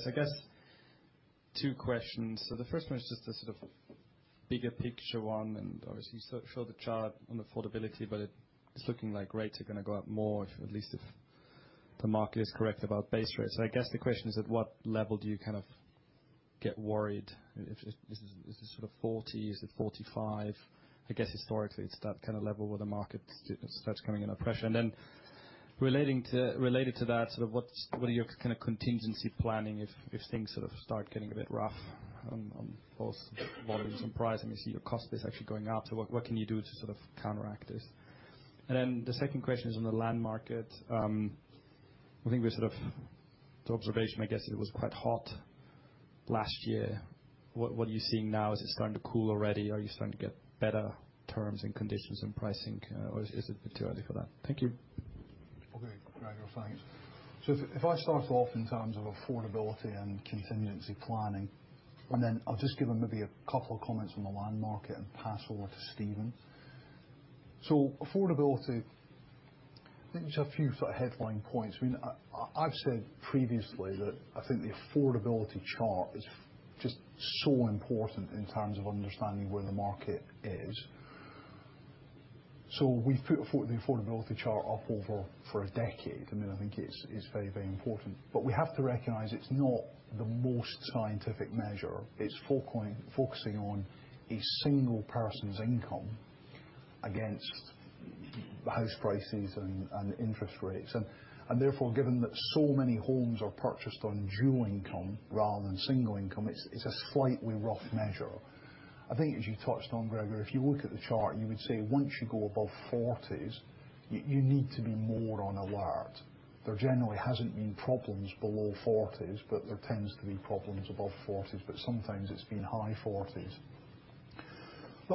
I guess two questions. The first one is just a sort of bigger picture one, and obviously you showed the chart on affordability, but it's looking like rates are gonna go up more, at least if the market is correct about base rates. I guess the question is, at what level do you kind of get worried? Is this sort of 40? Is it 45? I guess historically, it's that kind of level where the market starts coming under pressure. Then related to that, sort of what's your kind of contingency planning if things sort of start getting a bit rough on both volumes and pricing? You see your cost base actually going out, so what can you do to sort of counteract this? The second question is on the land market. I think the observation, I guess, it was quite hot last year. What are you seeing now? Is it starting to cool already? Are you starting to get better terms and conditions and pricing, or is it too early for that? Thank you. Okay, Gregor, thanks. If I start off in terms of affordability and contingency planning, and then I'll just give maybe a couple of comments on the land market and pass over to Steven. Affordability, I think just a few sort of headline points. I mean, I've said previously that I think the affordability chart is just so important in terms of understanding where the market is. We've put the affordability chart up over for a decade, and I think it's very, very important. We have to recognize it's not the most scientific measure. It's focusing on a single person's income against house prices and interest rates. Therefore, given that so many homes are purchased on dual income rather than single income, it's a slightly rough measure. I think as you touched on, Gregor, if you look at the chart, you would say once you go above 40s, you need to be more on alert. There generally hasn't been problems below 40s, but there tends to be problems above 40s, but sometimes it's been high 40s.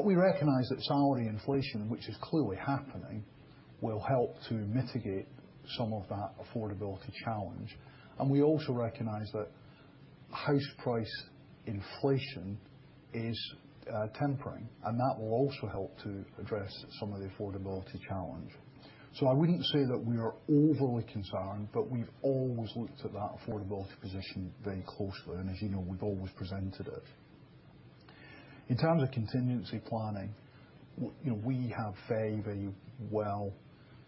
We recognize that salary inflation, which is clearly happening, will help to mitigate some of that affordability challenge. We also recognize that house price inflation is tempering, and that will also help to address some of the affordability challenge. I wouldn't say that we are overly concerned, but we've always looked at that affordability position very closely, and as you know, we've always presented it. In terms of contingency planning, you know, we have very, very well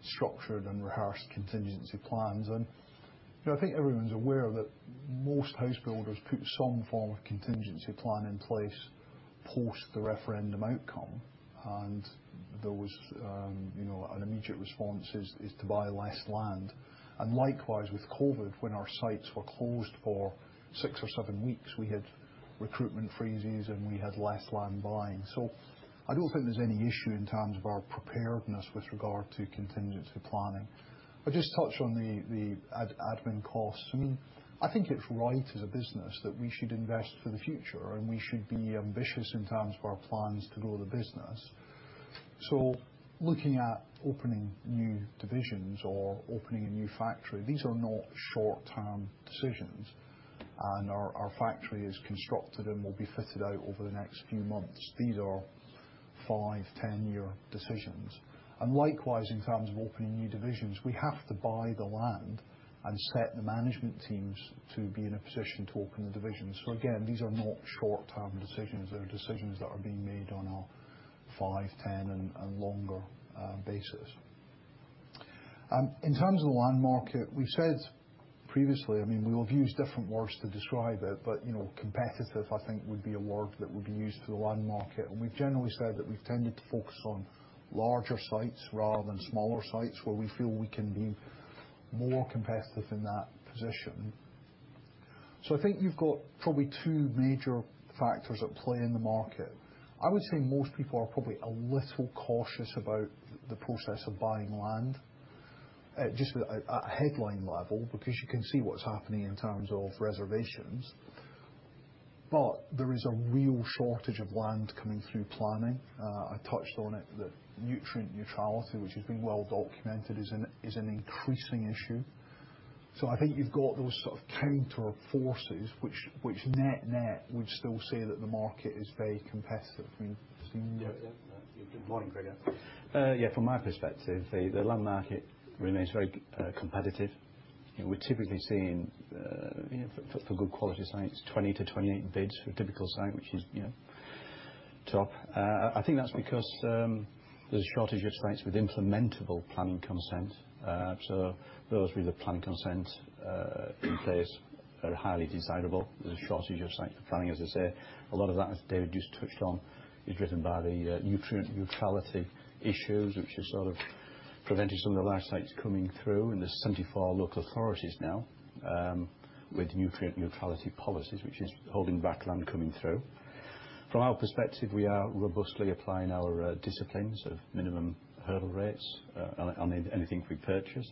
structured and rehearsed contingency plans. You know, I think everyone's aware that most house builders put some form of contingency plan in place post the referendum outcome. There was, you know, an immediate response is to buy less land. Likewise, with COVID, when our sites were closed for six or seven weeks, we had recruitment freezes and we had less land buying. I don't think there's any issue in terms of our preparedness with regard to contingency planning. I'll just touch on the admin costs. I mean, I think it's right as a business that we should invest for the future, and we should be ambitious in terms of our plans to grow the business. Looking at opening new divisions or opening a new factory, these are not short-term decisions. Our factory is constructed and will be fitted out over the next few months. These are five, 10-year decisions. Likewise, in terms of opening new divisions, we have to buy the land and set the management teams to be in a position to open the divisions. Again, these are not short-term decisions. They're decisions that are being made on a five, 10 and longer basis. In terms of the land market, we've said previously, I mean, we will use different words to describe it, but, you know, competitive I think would be a word that would be used for the land market. We've generally said that we've tended to focus on larger sites rather than smaller sites where we feel we can be more competitive in that position. I think you've got probably two major factors at play in the market. I would say most people are probably a little cautious about the process of buying land at headline level, because you can see what's happening in terms of reservations. There is a real shortage of land coming through planning. I touched on it, the nutrient neutrality, which has been well documented, is an increasing issue. I think you've got those sort of counter forces which net-net would still say that the market is very competitive. I mean, Steven? Good morning, Gregor. Yeah, from my perspective, the land market remains very competitive. We're typically seeing, you know, for good quality sites, 20-28 bids for a typical site, which is, you know, top. I think that's because there's a shortage of sites with implementable planning consent. Those with the planning consent in place are highly desirable. There's a shortage of site planning, as I say. A lot of that, as David just touched on, is driven by the nutrient neutrality issues, which has sort of prevented some of the large sites coming through, and there's 74 local authorities now with nutrient neutrality policies, which is holding back land coming through. From our perspective, we are robustly applying our disciplines of minimum hurdle rates on anything we purchase.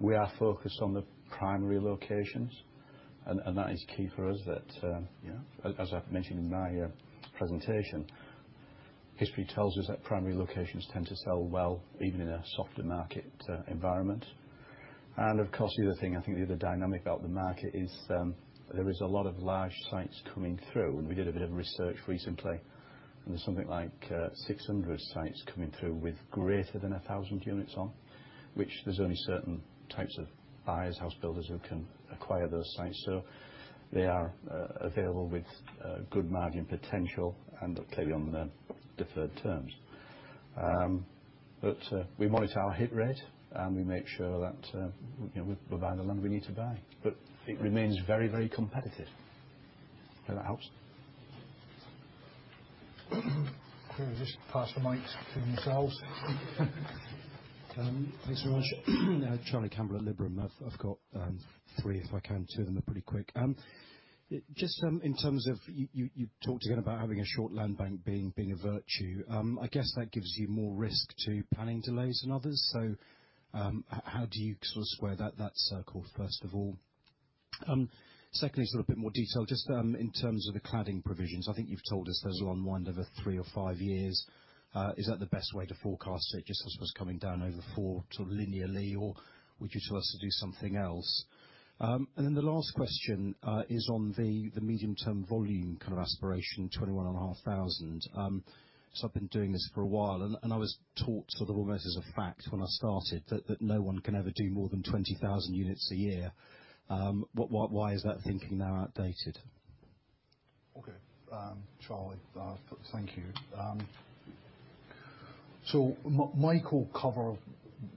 We are focused on the primary locations, and that is key for us that, you know, as I've mentioned in my presentation, history tells us that primary locations tend to sell well even in a softer market environment. Of course, the other thing, I think the other dynamic about the market is, there is a lot of large sites coming through, and we did a bit of research recently, and there's something like 600 sites coming through with greater than 1,000 units on. Which there's only certain types of buyers, house builders, who can acquire those sites. So they are available with good margin potential and clearly on the deferred terms. We monitor our hit rate, and we make sure that, you know, we're buying the land we need to buy. It remains very, very competitive. I hope that helps. Clearly just pass the mic between yourselves. Thanks. Charlie Campbell at Liberum. I've got three if I can. Two of them are pretty quick. Just in terms of you talked again about having a short land bank being a virtue. I guess that gives you more risk to planning delays than others. How do you sort of square that circle, first of all? Secondly, sort of a bit more detail, just in terms of the cladding provisions, I think you've told us there's an unwind over three or five years. Is that the best way to forecast it? Just I suppose coming down over the four sort of linearly, or would you tell us to do something else? And then the last question is on the medium-term volume kind of aspiration, 21,500. I've been doing this for a while and I was taught sort of almost as a fact when I started that no one can ever do more than 20,000 units a year. Why is that thinking now outdated? Okay. Charlie, thank you. Mike covered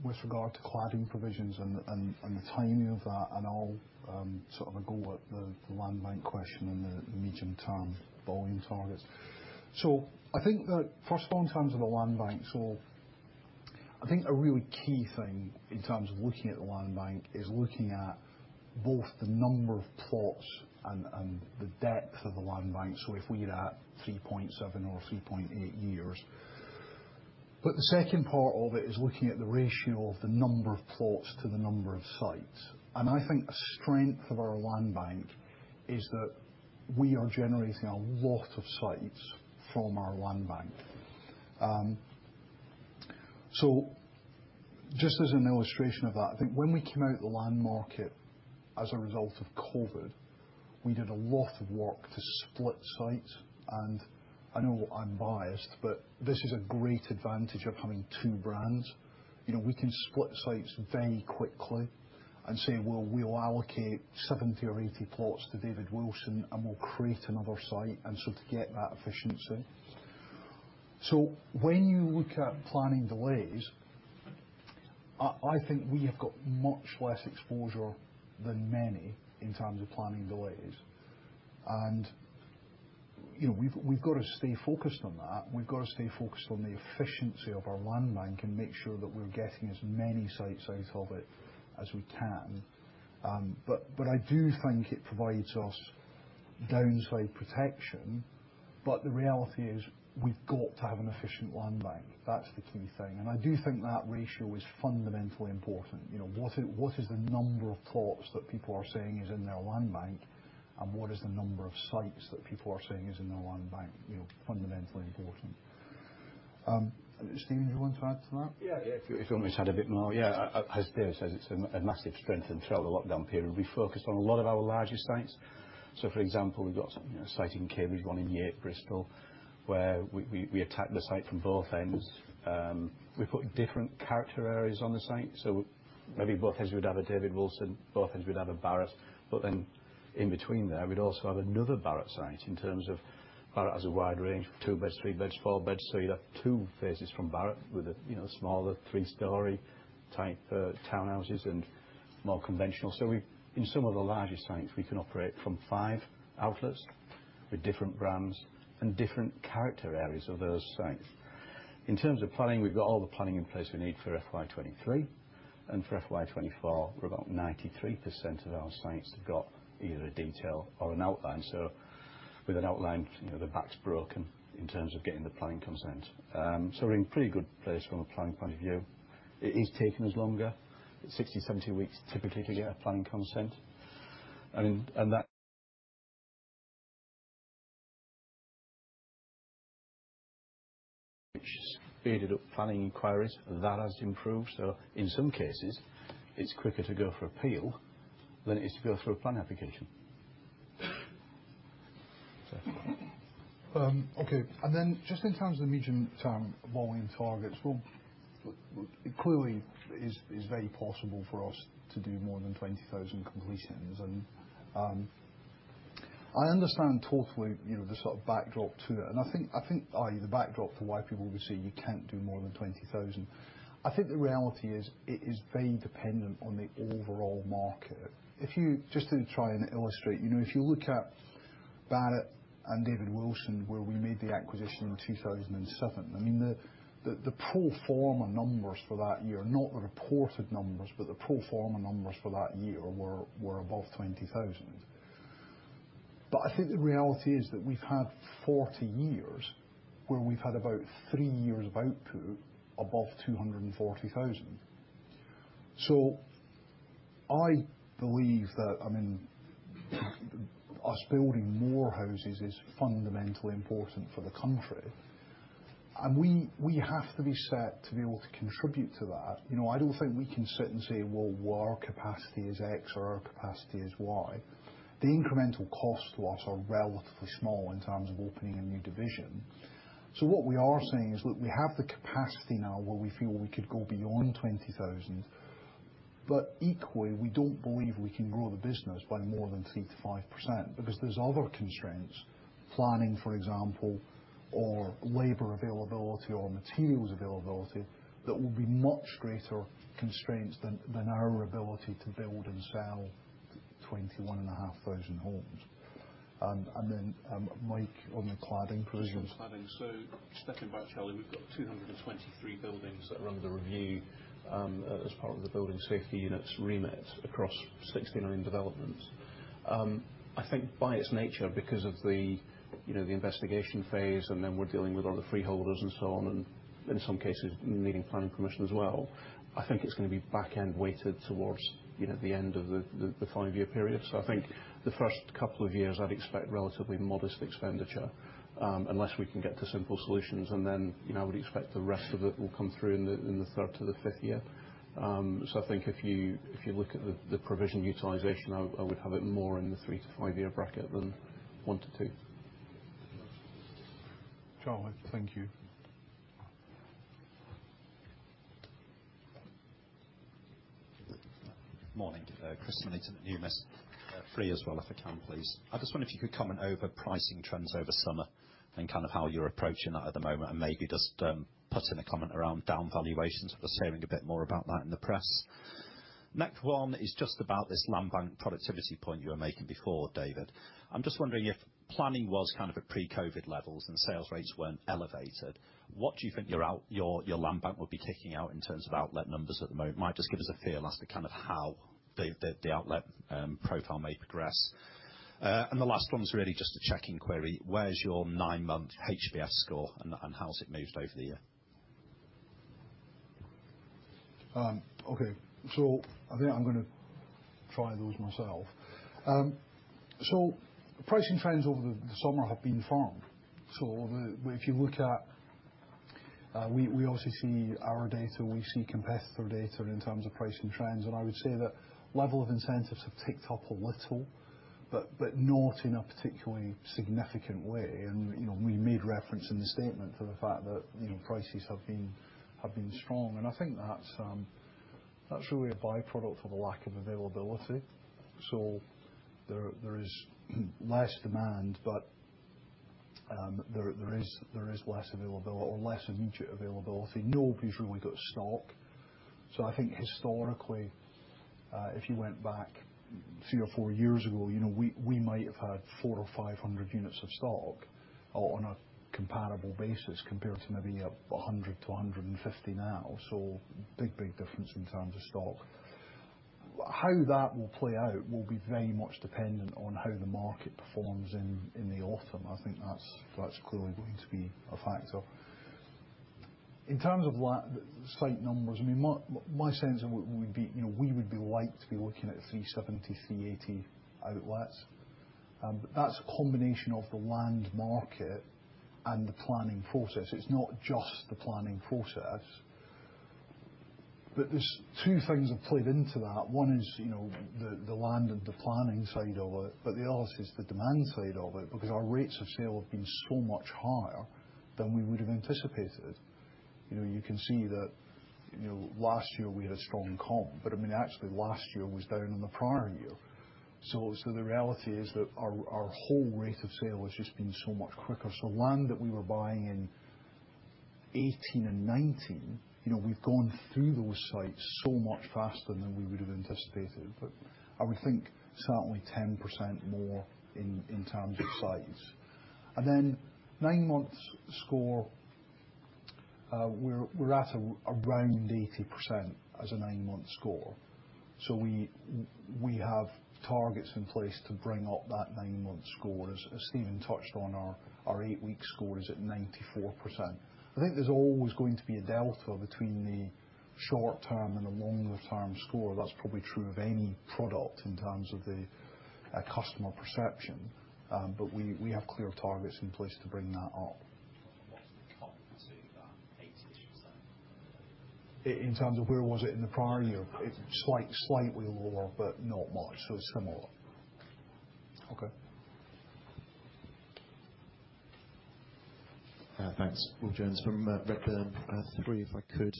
with regard to cladding provisions and the timing of that, and I'll sort of go at the land bank question and the medium-term volume targets. I think that first in terms of the land bank, I think a really key thing in terms of looking at the land bank is looking at both the number of plots and the depth of the land bank, if we're at 3.7 or 3.8 years. The second part of it is looking at the ratio of the number of plots to the number of sites. I think a strength of our land bank is that we are generating a lot of sites from our land bank. Just as an illustration of that, I think when we came out of the land market as a result of COVID, we did a lot of work to split sites, and I know I'm biased, but this is a great advantage of having two brands. You know, we can split sites very quickly and say, "Well, we'll allocate 70 or 80 plots to David Wilson, and we'll create another site," and so to get that efficiency. When you look at planning delays, I think we have got much less exposure than many in terms of planning delays. You know, we've got to stay focused on that. We've got to stay focused on the efficiency of our land bank and make sure that we're getting as many sites out of it as we can. But I do think it provides us downside protection. The reality is, we've got to have an efficient land bank. That's the key thing. I do think that ratio is fundamentally important. You know, what is the number of plots that people are saying is in their land bank, and what is the number of sites that people are saying is in their land bank? You know, fundamentally important. Steven, do you want to add to that? Yeah, yeah. If you want me to add a bit more. Yeah, as David says, it's a massive strength. Throughout the lockdown period, we focused on a lot of our larger sites. For example, we've got, you know, a site in Cambridge, one in Yate, Bristol, where we attacked the site from both ends. We put different character areas on the site. Maybe both ends, we'd have a David Wilson, both ends we'd have a Barratt. Then in between there, we'd also have another Barratt site in terms of Barratt has a wide range, two beds, three beds, four beds. You'd have two phases from Barratt with a, you know, smaller three-story type townhouses and more conventional. In some of the larger sites, we can operate from five outlets with different brands and different character areas of those sites. In terms of planning, we've got all the planning in place we need for FY 2023. For FY 2024, we're about 93% of our sites have got either a detailed or an outline. With an outline, you know, the back's broken in terms of getting the planning consent. We're in pretty good place from a planning point of view. It is taking us longer, 60-70 weeks typically to get a planning consent. I mean, which has beefed up planning inquiries. That has improved. In some cases, it's quicker to go for appeal than it is to go through a planning application. Okay. Then just in terms of the medium-term volume targets, well, it clearly is very possible for us to do more than 20,000 completions. I understand totally, you know, the sort of backdrop to it. I think the backdrop for why people would say you can't do more than 20,000. I think the reality is, it is very dependent on the overall market. If you just to try and illustrate, you know, if you look at Barratt and David Wilson, where we made the acquisition in 2007. I mean, the pro forma numbers for that year, not the reported numbers, but the pro forma numbers for that year were above 20,000. I think the reality is that we've had 40 years where we've had about three years of output above 240,000. I believe that, I mean, us building more houses is fundamentally important for the country. We have to be set to be able to contribute to that. You know, I don't think we can sit and say, "Well, our capacity is X or our capacity is Y." The incremental cost to us are relatively small in terms of opening a new division. What we are saying is, look, we have the capacity now where we feel we could go beyond 20,000. Equally, we don't believe we can grow the business by more than 3%-5%, because there's other constraints, planning, for example, or labor availability or materials availability, that will be much greater constraints than our ability to build and sell 21,500 homes. Mike, on the cladding provisions. Yeah, cladding. Stepping back, Charlie, we've got 223 buildings that are under review, as part of the Building Safety Unit's remit across 69 developments. I think by its nature, because of the, you know, the investigation phase, and then we're dealing with all the freeholders and so on, and in some cases, needing planning permission as well, I think it's gonna be back-end weighted towards, you know, the end of the five-year period. I think the first couple of years, I'd expect relatively modest expenditure, unless we can get to simple solutions. I would expect the rest of it will come through in the third to the fifth year. I think if you look at the provision utilization, I would have it more in the three to five year bracket than one to two. Charlie, thank you. Morning, Chris. In terms of where was it in the prior year. It's slight, slightly lower, but not much. Similar. Okay. Thanks. Will Jones from Redburn. Three, if I could.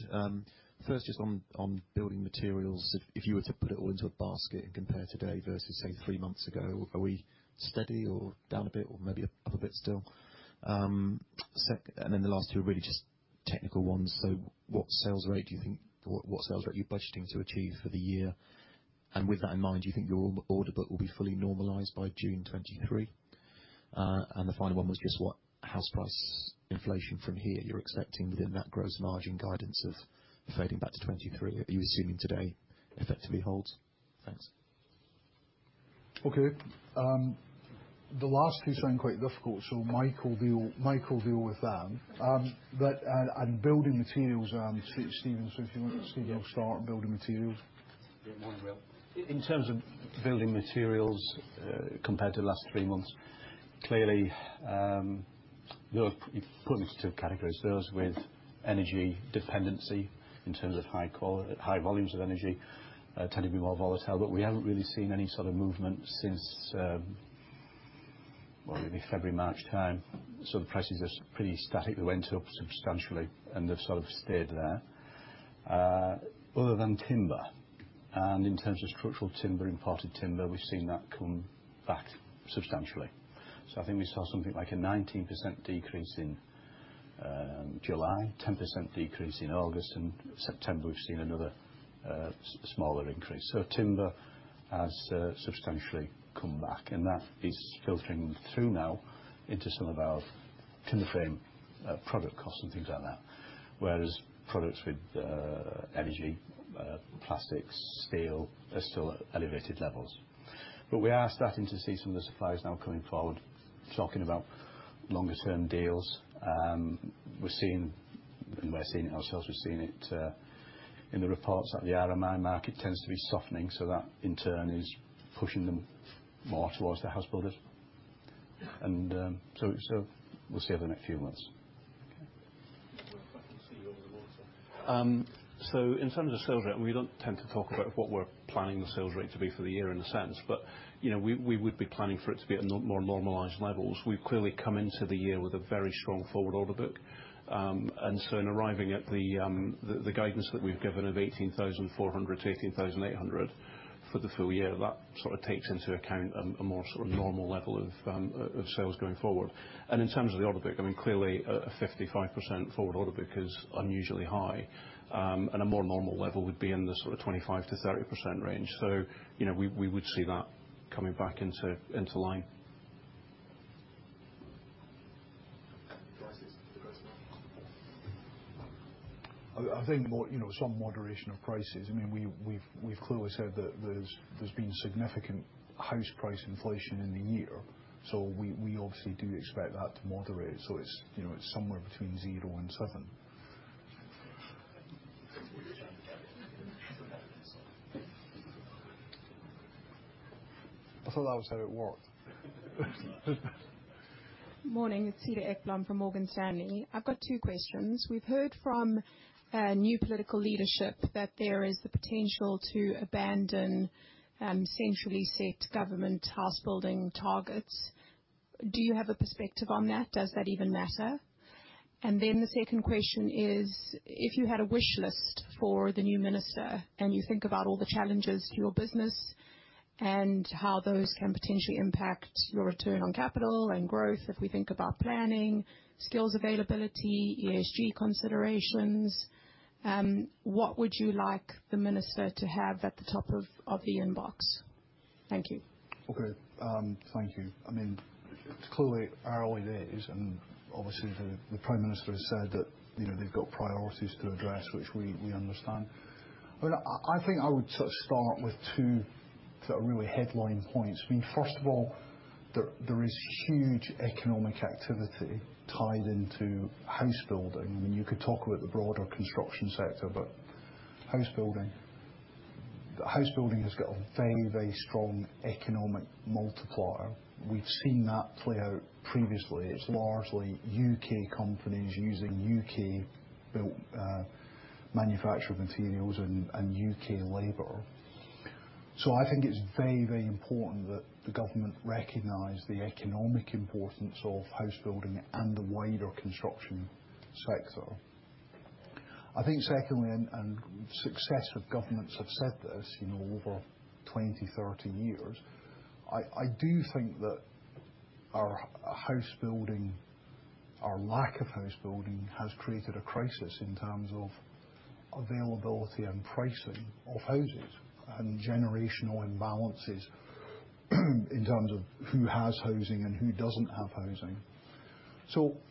First, just on building materials, if you were to put it all into a basket and compare today versus, say, three months ago, are we steady or down a bit or maybe up a bit still? Then the last two are really just technical ones. What sales rate are you budgeting to achieve for the year? And with that in mind, do you think your order book will be fully normalized by June 2023? The final one was just what house price inflation from here you're expecting within that gross margin guidance of fading back to 2023, are you assuming today effectively holds? Thanks. The last two sound quite difficult, so Mike'll deal with them. Building materials, Steven, so if you want to see them start building materials. Good morning, Will. In terms of building materials, compared to the last three months, clearly, you put them into two categories. Those with energy dependency in terms of high volumes of energy tend to be more volatile, but we haven't really seen any sort of movement since, well, maybe February, March time. The prices are pretty static. They went up substantially and they've sort of stayed there, other than timber. In terms of structural timber, imported timber, we've seen that come back substantially. I think we saw something like a 19% decrease in July, 10% decrease in August, and September, we've seen another smaller increase. Timber has substantially come back, and that is filtering through now into some of our timber frame product costs and things like that. Whereas products with energy, plastic, steel, they're still at elevated levels. We are starting to see some of the suppliers now coming forward, talking about longer-term deals. We're seeing it ourselves in the reports that the RMI market tends to be softening, so that in turn is pushing them more towards the house builders. We'll see over the next few months. Okay. Well, if I can see you over the water. In terms of sales rate, we don't tend to talk about what we're planning the sales rate to be for the year in a sense, but you know, we would be planning for it to be at or more normalized levels. We've clearly come into the year with a very strong forward order book. In arriving at the guidance that we've given of 18,400-18,800 for the full year, that sort of takes into account a more sort of normal level of sales going forward. In terms of the order book, I mean, clearly a 55% forward order book is unusually high, and a more normal level would be in the sort of 25%-30% range. You know, we would see that coming back into line. Prices for the rest of them? I think more, you know, some moderation of prices. I mean, we've clearly said that there's been significant house price inflation in the year. We obviously do expect that to moderate. It's, you know, somewhere between 0% and 7%. I thought that was how it worked. Morning. It's Cedar Ekblom from Morgan Stanley. I've got two questions. We've heard from new political leadership that there is the potential to abandon centrally set government house building targets. Do you have a perspective on that? Does that even matter? The second question is, if you had a wish list for the new minister and you think about all the challenges to your business and how those can potentially impact your return on capital and growth, if we think about planning, skills availability, ESG considerations, what would you like the minister to have at the top of the inbox? Thank you. Okay. Thank you. I mean, it's clearly early days and obviously the Prime Minister has said that, you know, they've got priorities to address, which we understand. I think I would sort of start with two sort of really headline points. I mean, first of all, there is huge economic activity tied into house building. I mean, you could talk about the broader construction sector, but house building. House building has got a very, very strong economic multiplier. We've seen that play out previously. It's largely U.K. companies using U.K.-built, manufactured materials and U.K. Labor. I think it's very, very important that the government recognize the economic importance of house building and the wider construction sector. I think secondly, and successive governments have said this, you know, over 20, 30 years, I do think that our house building, our lack of house building has created a crisis in terms of availability and pricing of houses and generational imbalances, in terms of who has housing and who doesn't have housing.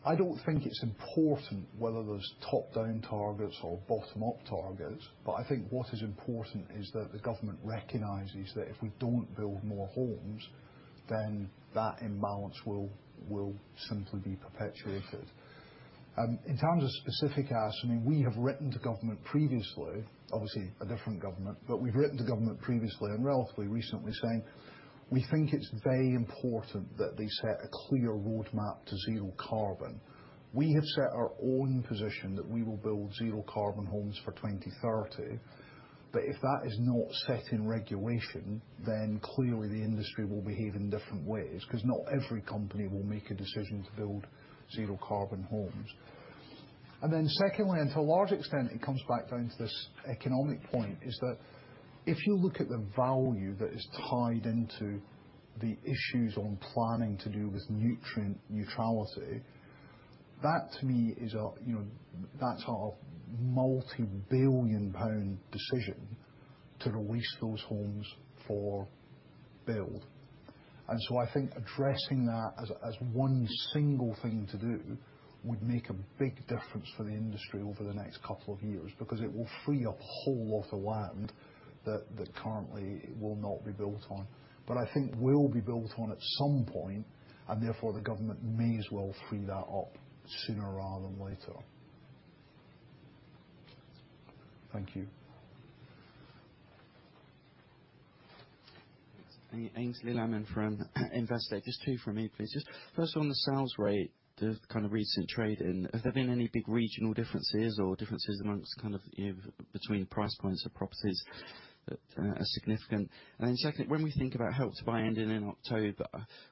I don't think it's important whether there's top-down targets or bottom-up targets, but I think what is important is that the government recognizes that if we don't build more homes, then that imbalance will simply be perpetuated. In terms of specific asks, I mean, we have written to government previously, obviously a different government, but we've written to government previously and relatively recently saying, we think it's very important that they set a clear roadmap to zero carbon. We have set our own position that we will build zero carbon homes for 2030. But if that is not set in regulation, then clearly the industry will behave in different ways, 'cause not every company will make a decision to build zero carbon homes. Then secondly, and to a large extent, it comes back down to this economic point, that if you look at the value that is tied into the issues on planning to do with nutrient neutrality, that to me is a, you know, that's a multi-billion-pound decision to release those homes for build. I think addressing that as one single thing to do would make a big difference for the industry over the next couple of years, because it will free up a whole lot of land that currently will not be built on. I think will be built on at some point, and therefore the government may as well free that up sooner rather than later. Thank you. Aynsley Lammin from Investec. Just two for me, please. Just first on the sales rate, the kind of recent trade-in. Have there been any big regional differences or differences among, kind of, you know, between price points of properties that are significant? Secondly, when we think about Help to Buy ending in October,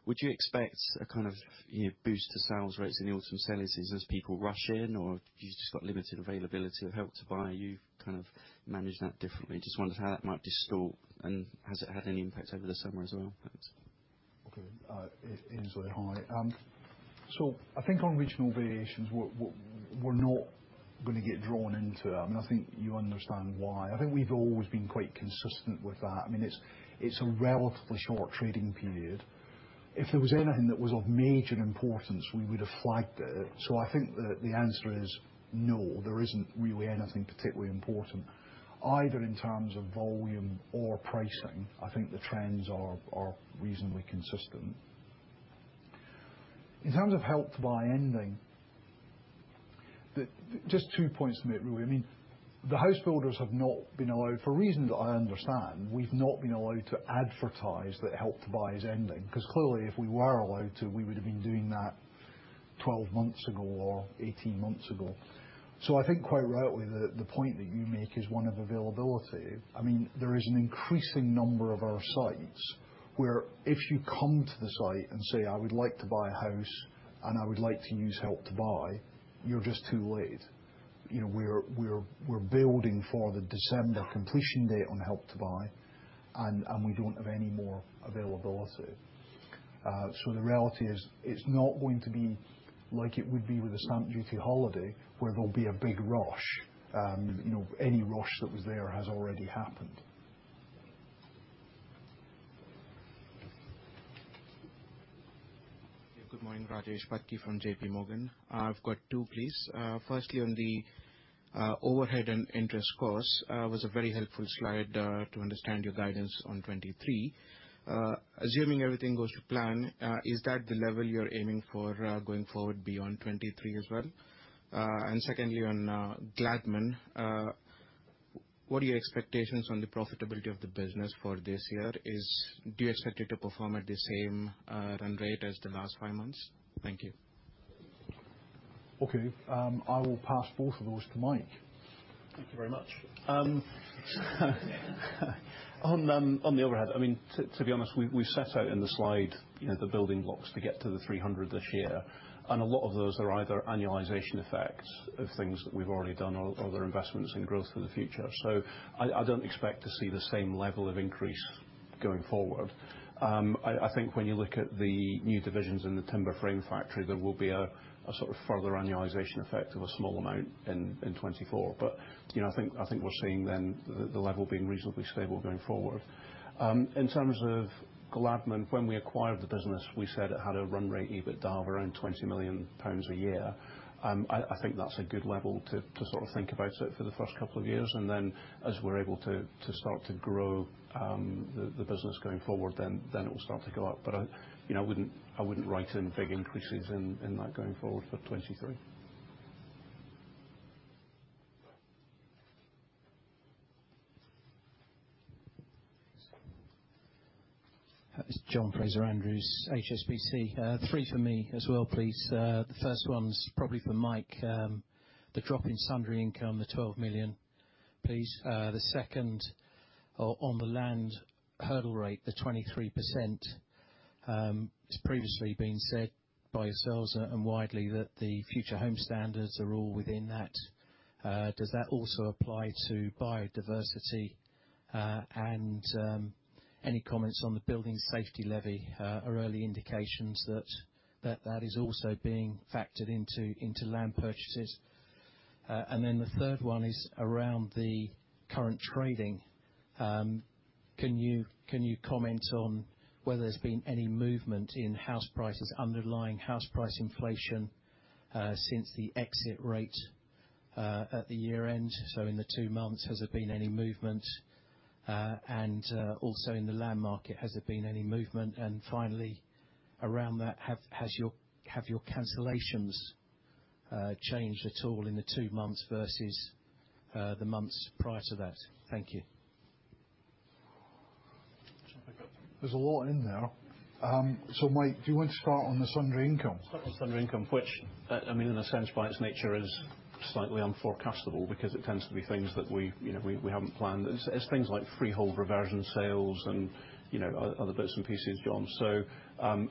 would you expect a kind of, you know, boost to sales rates in the autumn sales as people rush in, or you've just got limited availability of Help to Buy, you kind of manage that differently. Just wondered how that might distort, and has it had any impact over the summer as well? Thanks. Okay. Aynsley, hi. I think on regional variations, we're not gonna get drawn into that. I mean, I think you understand why. I think we've always been quite consistent with that. I mean, it's a relatively short trading period. If there was anything that was of major importance, we would have flagged it. I think the answer is no, there isn't really anything particularly important, either in terms of volume or pricing. I think the trends are reasonably consistent. In terms of Help to Buy ending, just two points to make, really. I mean, the house builders have not been allowed, for reasons that I understand, we've not been allowed to advertise that Help to Buy is ending. 'Cause clearly, if we were allowed to, we would have been doing that 12 months ago or 18 months ago. I think quite rightly, the point that you make is one of availability. I mean, there is an increasing number of our sites where if you come to the site and say, "I would like to buy a house, and I would like to use Help to Buy," you're just too late. You know, we're building for the December completion date on Help to Buy, and we don't have any more availability. The reality is, it's not going to be like it would be with a stamp duty holiday where there'll be a big rush. You know, any rush that was there has already happened. Good morning. Rajesh Patki from JP Morgan. I've got two, please. Firstly, on the overhead and interest costs, was a very helpful slide to understand your guidance on 2023. Assuming everything goes to plan, is that the level you're aiming for going forward beyond 2023 as well? And secondly, on Gladman, what are your expectations on the profitability of the business for this year? Do you expect it to perform at the same run rate as the last five months? Thank you. Okay. I will pass both of those to Mike. Thank you very much. On the overhead, I mean, to be honest, we set out in the slide, you know, the building blocks to get to the 300 this year. A lot of those are either annualization effects of things that we've already done or other investments in growth for the future. I don't expect to see the same level of increase going forward. I think when you look at the new divisions in the timber frame factory, there will be a sort of further annualization effect of a small amount in 2024. You know, I think we're seeing then the level being reasonably stable going forward. In terms of Gladman, when we acquired the business, we said it had a run rate EBITDA of around 20 million pounds a year. I think that's a good level to sort of think about it for the first couple of years. Then as we're able to start to grow the business going forward, it will start to go up. You know, I wouldn't write in big increases in that going forward for 2023. It's John Fraser-Andrews, HSBC. Three for me as well, please. The first one's probably for Mike. The drop in sundry income, the 12 million, please. The second, on the land hurdle rate, the 23%, it's previously been said by yourselves and widely that the Future Homes Standard are all within that. Does that also apply to biodiversity? Any comments on the building safety levy? Or early indications that that is also being factored into land purchases. The third one is around the current trading. Can you comment on whether there's been any movement in house prices, underlying house price inflation, since the exit rate at the year-end? In the two months, has there been any movement? Also in the land market, has there been any movement? Finally, around that, have your cancellations changed at all in the two months versus the months prior to that? Thank you. There's a lot in there. Mike, do you want to start on the sundry income? Sundry income, which, I mean, in a sense, by its nature is slightly unforecastable because it tends to be things that we, you know, haven't planned. It's things like freehold reversion sales and, you know, other bits and pieces, John.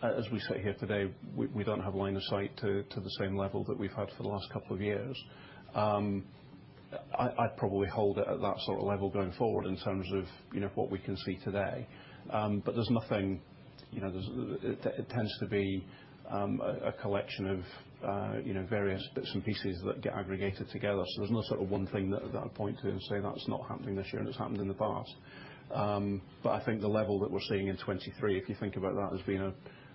As we sit here today, we don't have line of sight to the same level that we've had for the last couple of years. I'd probably hold it at that sort of level going forward in terms of, you know, what we can see today. But there's nothing. You know, it tends to be a collection of, you know, various bits and pieces that get aggregated together. There's no sort of one thing that I'd point to and say, "That's not happening this year, and it's happened in the past." I think the level that we're seeing in 2023, if you think about that as being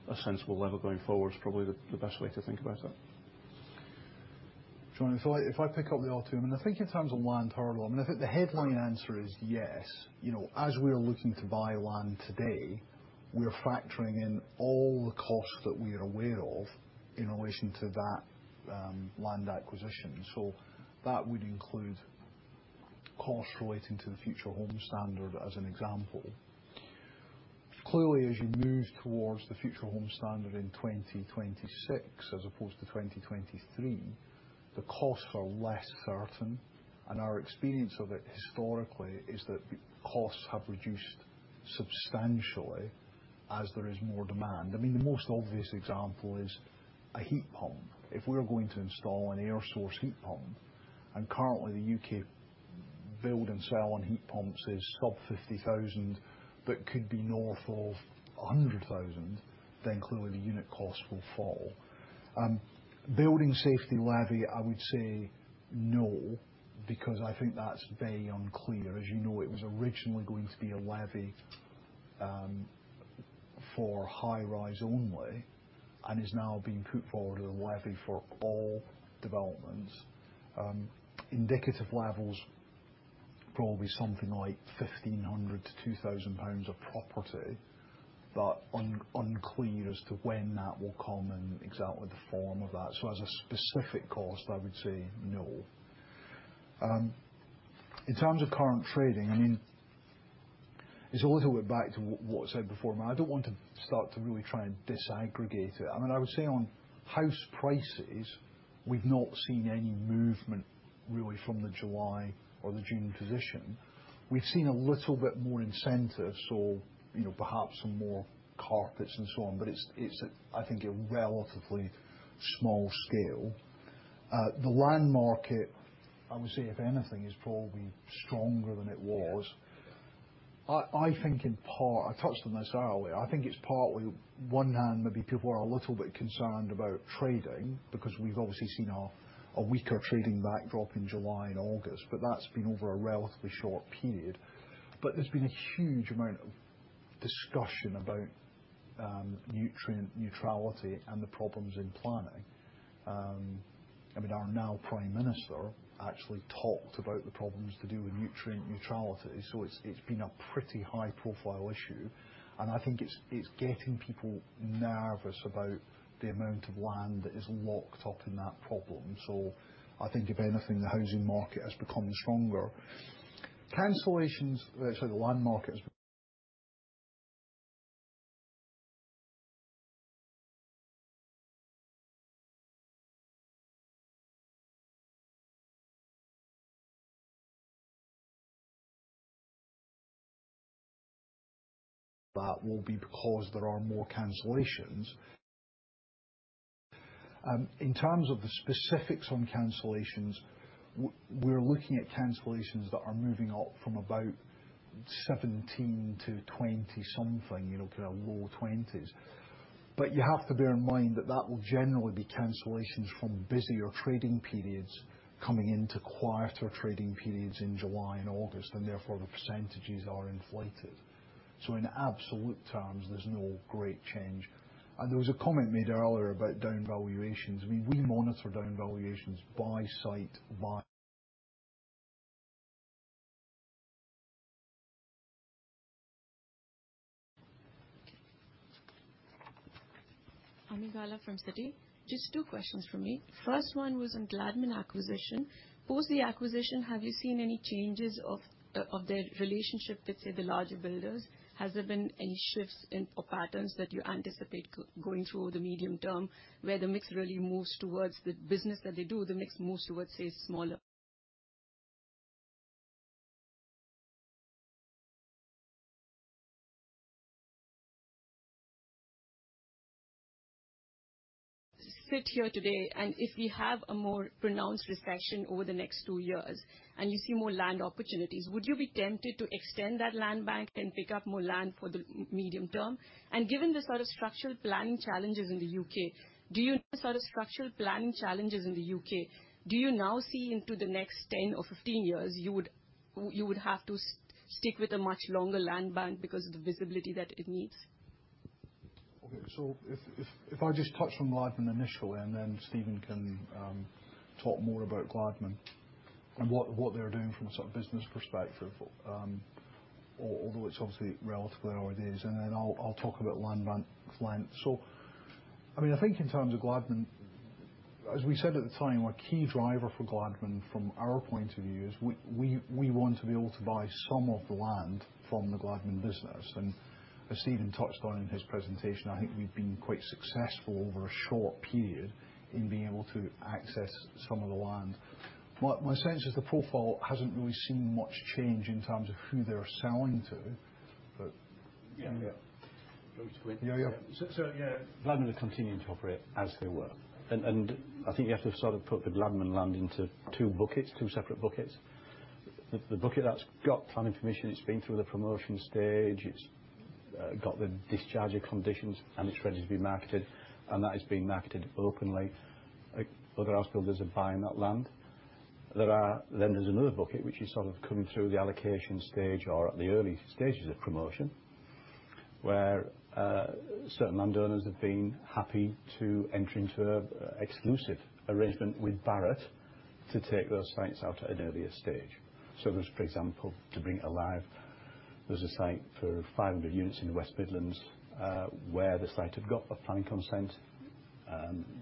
a sensible level going forward, is probably the best way to think about it. John, if I pick up the other two. I mean, I think in terms of land hurdle, I mean, I think the headline answer is yes. You know, as we are looking to buy land today, we're factoring in all the costs that we are aware of in relation to that land acquisition. So that would include costs relating to the Future Homes Standard, as an example. Clearly, as you move towards the Future Homes Standard in 2026 as opposed to 2023, the costs are less certain. Our experience of it historically is that costs have reduced substantially as there is more demand. I mean, the most obvious example is a heat pump. If we're going to install an air source heat pump, and currently the UK build and sell on heat pumps is sub 50,000, but could be north of 100,000, then clearly the unit cost will fall. Building safety levy, I would say no, because I think that's very unclear. As you know, it was originally going to be a levy, for high-rise only, and is now being put forward as a levy for all developments. Indicative levels, probably something like 1,500-2,000 pounds a property, but unclear as to when that will come and exactly the form of that. As a specific cost, I would say no. In terms of current trading, I mean, it's a little bit back to what I said before. I don't want to start to really try and disaggregate it. I mean, I would say on house prices, we've not seen any movement really from the July or the June position. We've seen a little bit more incentive, so, you know, perhaps some more carpets and so on. But it's, I think, a relatively small scale. The land market, I would say if anything, is probably stronger than it was. Yes. I think in part, I touched on this earlier. I think it's partly on one hand, maybe people are a little bit concerned about trading because we've obviously seen a weaker trading backdrop in July and August, but that's been over a relatively short period. There's been a huge amount of discussion about nutrient neutrality and the problems in planning. I mean, our new prime minister actually talked about the problems to do with nutrient neutrality, so it's been a pretty high-profile issue. I think it's getting people nervous about the amount of land that is locked up in that problem. I think if anything, the housing market has become stronger. Sorry, that will be because there are more cancellations. In terms of the specifics on cancellations, we're looking at cancellations that are moving up from about 17-20-something, you know, to the low 20s. But you have to bear in mind that that will generally be cancellations from busier trading periods coming into quieter trading periods in July and August, and therefore the percentages are inflated. In absolute terms, there's no great change. There was a comment made earlier about down valuations. I mean, we monitor down valuations by site, by- Ami Galla from Citi. Just two questions from me. First one was on Gladman acquisition. Post the acquisition, have you seen any changes of their relationship with, say, the larger builders? Has there been any shifts in or patterns that you anticipate going through the medium term, where the mix really moves towards the business that they do, say, smaller? Sitting here today, and if we have a more pronounced recession over the next two years, and you see more land opportunities, would you be tempted to extend that land bank and pick up more land for the medium term? Given the sort of structural planning challenges in the U.K., do you now see into the next 10 or 15 years you would have to stick with a much longer land bank because of the visibility that it needs? Okay, so if I just touch on Gladman initially, and then Steven can talk more about Gladman and what they're doing from a sort of business perspective. Although it's obviously relatively early days. Then I'll talk about land bank length. I mean, I think in terms of Gladman. As we said at the time, a key driver for Gladman from our point of view is we want to be able to buy some of the land from the Gladman business. As Steven touched on in his presentation, I think we've been quite successful over a short period in being able to access some of the land. My sense is the profile hasn't really seen much change in terms of who they're selling to, but yeah. Yeah. Yeah, yeah. Yeah, Gladman are continuing to operate as they were. I think you have to sort of put the Gladman land into two buckets, two separate buckets. The bucket that's got planning permission, it's been through the promotion stage, it's got the discharge conditions, and it's ready to be marketed, and that is being marketed openly. Other house builders are buying that land. Then there's another bucket, which is sort of coming through the allocation stage or at the early stages of promotion, where certain landowners have been happy to enter into a exclusive arrangement with Barratt to take those sites out at an earlier stage. For example, to bring it alive, there's a site for 500 units in the West Midlands, where the site had got the planning consent.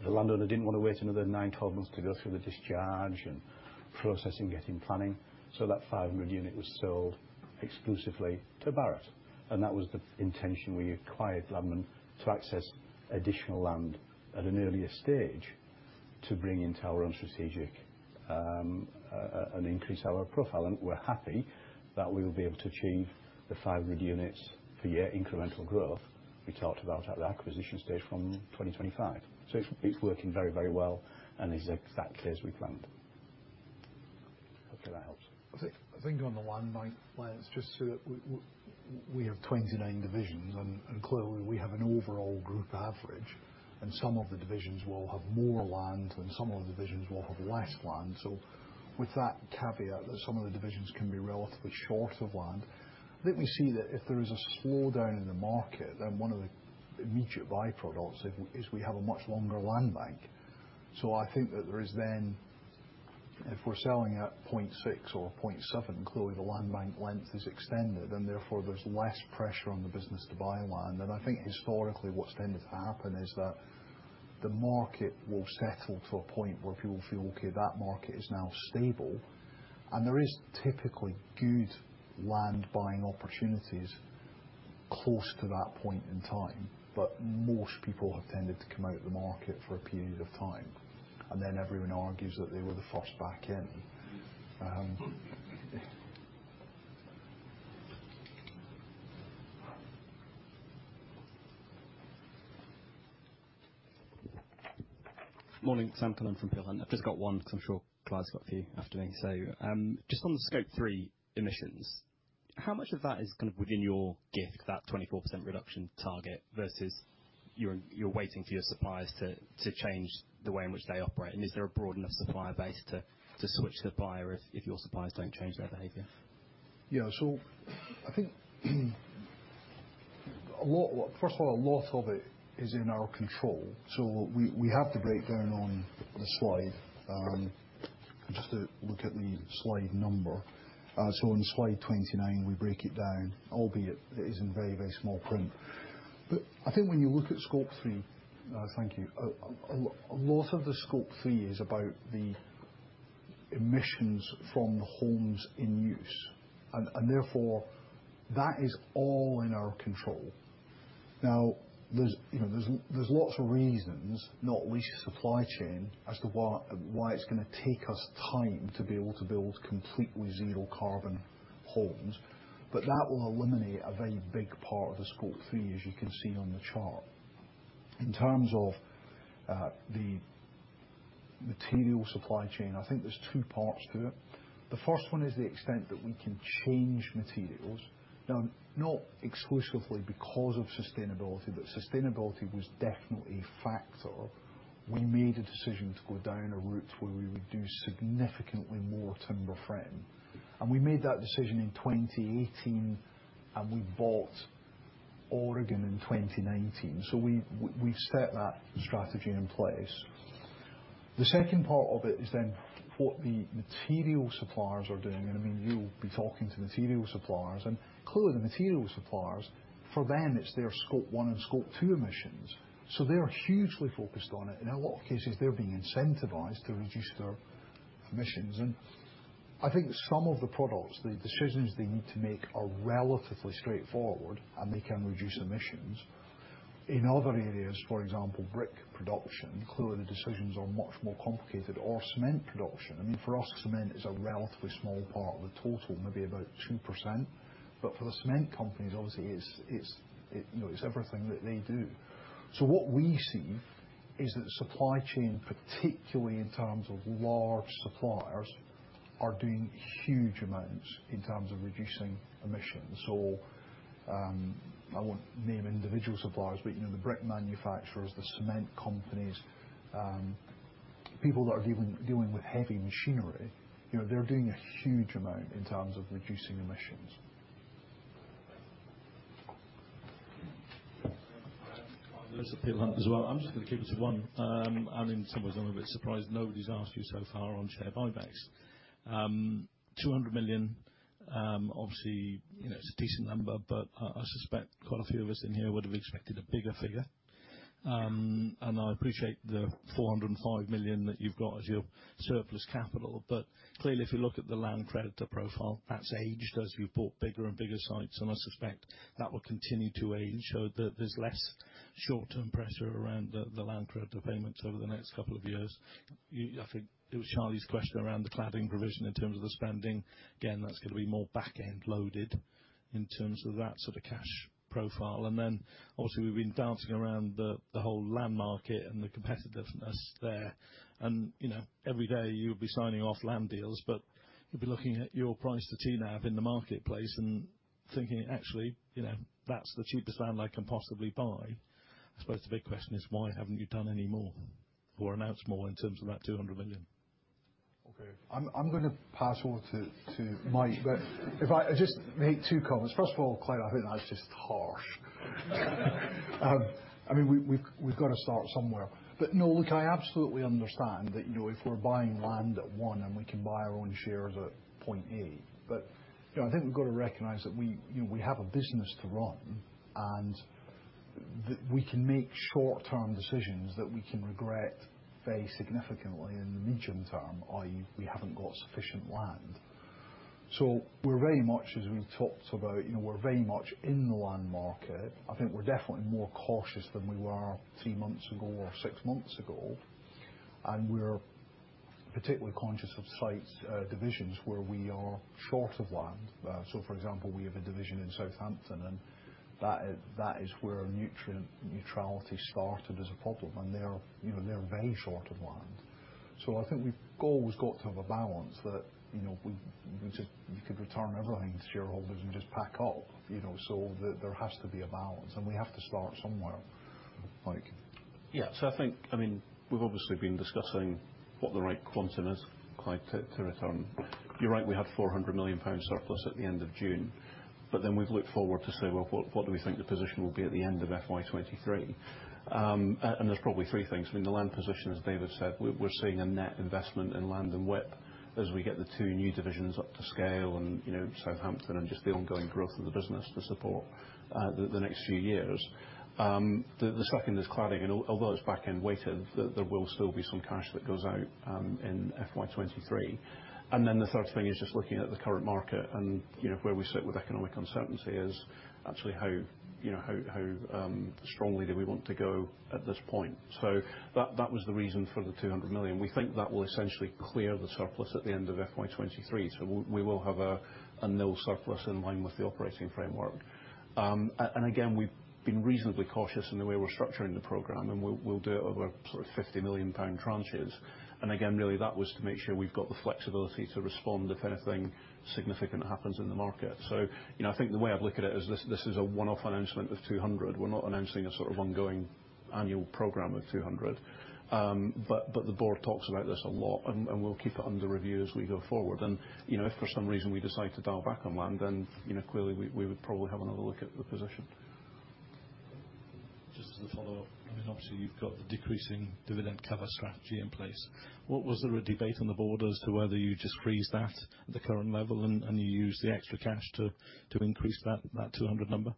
The landowner didn't wanna wait another 9-12 months to go through the discharge and processing getting planning. That 500-unit was sold exclusively to Barratt. That was the intention we acquired Gladman, to access additional land at an earlier stage to bring into our own strategic and increase our profile. We're happy that we will be able to achieve the 500 units per year incremental growth we talked about at the acquisition stage from 2025. It's working very, very well and is exactly as we planned. Hopefully that helps. I think on the land bank length, just so that we have 29 divisions and clearly we have an overall group average, and some of the divisions will have more land and some of the divisions will have less land. With that caveat that some of the divisions can be relatively short of land, let me say that if there is a slowdown in the market, then one of the immediate byproducts of it is we have a much longer land bank. I think that there is then, if we're selling at 0.6 or 0.7, clearly the land bank length is extended, and therefore there's less pressure on the business to buy land. I think historically what's tended to happen is that the market will settle to a point where people feel, "Okay, that market is now stable." There is typically good land buying opportunities close to that point in time. Most people have tended to come out of the market for a period of time. Then everyone argues that they were the first back in. Morning. Sam Cullen from Peel Hunt. I've just got one, 'cause I'm sure Clyde's got a few after me. Just on the Scope 3 emissions, how much of that is kind of within your gift, that 24% reduction target, versus you're waiting for your suppliers to change the way in which they operate? And is there a broad enough supplier base to switch to the buyer if your suppliers don't change their behavior? Yeah. I think, first of all, a lot of it is in our control. We have the breakdown on the slide. Just to look at the slide number. On slide 29, we break it down, albeit it is in very, very small print. I think when you look at Scope 3, a lot of the Scope 3 is about the emissions from homes in use. And therefore that is all in our control. Now there's, you know, there's lots of reasons, not least supply chain, as to why it's gonna take us time to be able to build completely zero carbon homes. That will eliminate a very big part of the Scope 3, as you can see on the chart. In terms of the material supply chain, I think there's two parts to it. The first one is the extent that we can change materials. Now, not exclusively because of sustainability, but sustainability was definitely a factor. We made a decision to go down a route where we would do significantly more timber framing. We made that decision in 2018, and we bought Oregon in 2019. We set that strategy in place. The second part of it is what the material suppliers are doing. I mean, you'll be talking to material suppliers, and clearly the material suppliers, for them, it's their Scope 1 and Scope 2 emissions. They are hugely focused on it. In a lot of cases, they're being incentivized to reduce their emissions. I think some of the products, the decisions they need to make are relatively straightforward, and they can reduce emissions. In other areas, for example, brick production, clearly the decisions are much more complicated or cement production. I mean, for us, cement is a relatively small part of the total, maybe about 2%, but for the cement companies, obviously it's, you know, it's everything that they do. What we see is that the supply chain, particularly in terms of large suppliers, are doing huge amounts in terms of reducing emissions or, I won't name individual suppliers, but, you know, the brick manufacturers, the cement companies, people that are dealing with heavy machinery. You know, they're doing a huge amount in terms of reducing emissions. I have one. Clyde Lewis from Peel Hunt as well. I'm just gonna keep it to one. I mean, in some ways I'm a bit surprised nobody's asked you so far on share buybacks. 200 million, obviously, you know, it's a decent number, but I suspect quite a few of us in here would've expected a bigger figure. I appreciate the 405 million that you've got as your surplus capital. Clearly, if you look at the land creditor profile, that's aged as you've bought bigger and bigger sites, and I suspect that will continue to age so that there's less short-term pressure around the land creditor payments over the next couple of years. I think it was Charlie's question around the cladding provision in terms of the spending. Again, that's gonna be more back-end loaded in terms of that sort of cash profile. We've been dancing around the whole land market and the competitiveness there. You know, every day you'll be signing off land deals, but you'll be looking at your price to NAV in the marketplace and thinking, "Actually, you know, that's the cheapest land I can possibly buy." I suppose the big question is, why haven't you done any more or announced more in terms of that 200 million? Okay. I'm gonna pass over to Mike. If I just make two comments. First of all, Clyde, I think that's just harsh. I mean, we've got to start somewhere. No, look, I absolutely understand that, you know, if we're buying land at one and we can buy our own shares at 0.8. You know, I think we've got to recognize that we, you know, we have a business to run, and we can make short-term decisions that we can regret very significantly in the medium term, i.e., we haven't got sufficient land. We're very much as we've talked about, you know, we're very much in the land market. I think we're definitely more cautious than we were three months ago or six months ago, and we're particularly conscious of sites, divisions where we are short of land. For example, we have a division in Southampton, and that is where nutrient neutrality started as a problem, and they're, you know, they're very short of land. I think we've always got to have a balance that, you know, we just could return everything to shareholders and just pack up, you know. There has to be a balance, and we have to start somewhere. Mike. Yeah. I think, I mean, we've obviously been discussing what the right quantum is, Clyde, to return. You're right, we have 400 million pound surplus at the end of June. Then we've looked forward to say, "Well, what do we think the position will be at the end of FY 2023?" And there's probably three things. I mean, the land position, as David said, we're seeing a net investment in land and WIP as we get the two new divisions up to scale and, you know, Southampton and just the ongoing growth of the business to support the next few years. The second is cladding. And although it's back-end weighted, there will still be some cash that goes out in FY 2023. The third thing is just looking at the current market and, you know, where we sit with economic uncertainty is actually how, you know, how strongly do we want to go at this point. That was the reason for the 200 million. We think that will essentially clear the surplus at the end of FY 2023. We will have a nil surplus in line with the operating framework. Again, we've been reasonably cautious in the way we're structuring the program, and we'll do it over sort of 50 million pound tranches. Again, really that was to make sure we've got the flexibility to respond if anything significant happens in the market. You know, I think the way I'd look at it is this is a one-off announcement of 200 million. We're not announcing a sort of ongoing annual program of 200. The board talks about this a lot, and we'll keep it under review as we go forward. You know, if for some reason we decide to dial back on land, then, you know, clearly we would probably have another look at the position. Just as a follow-up. I mean, obviously, you've got the decreasing dividend cover strategy in place. Was there a debate on the board as to whether you just freeze that at the current level and you use the extra cash to increase that 200 number?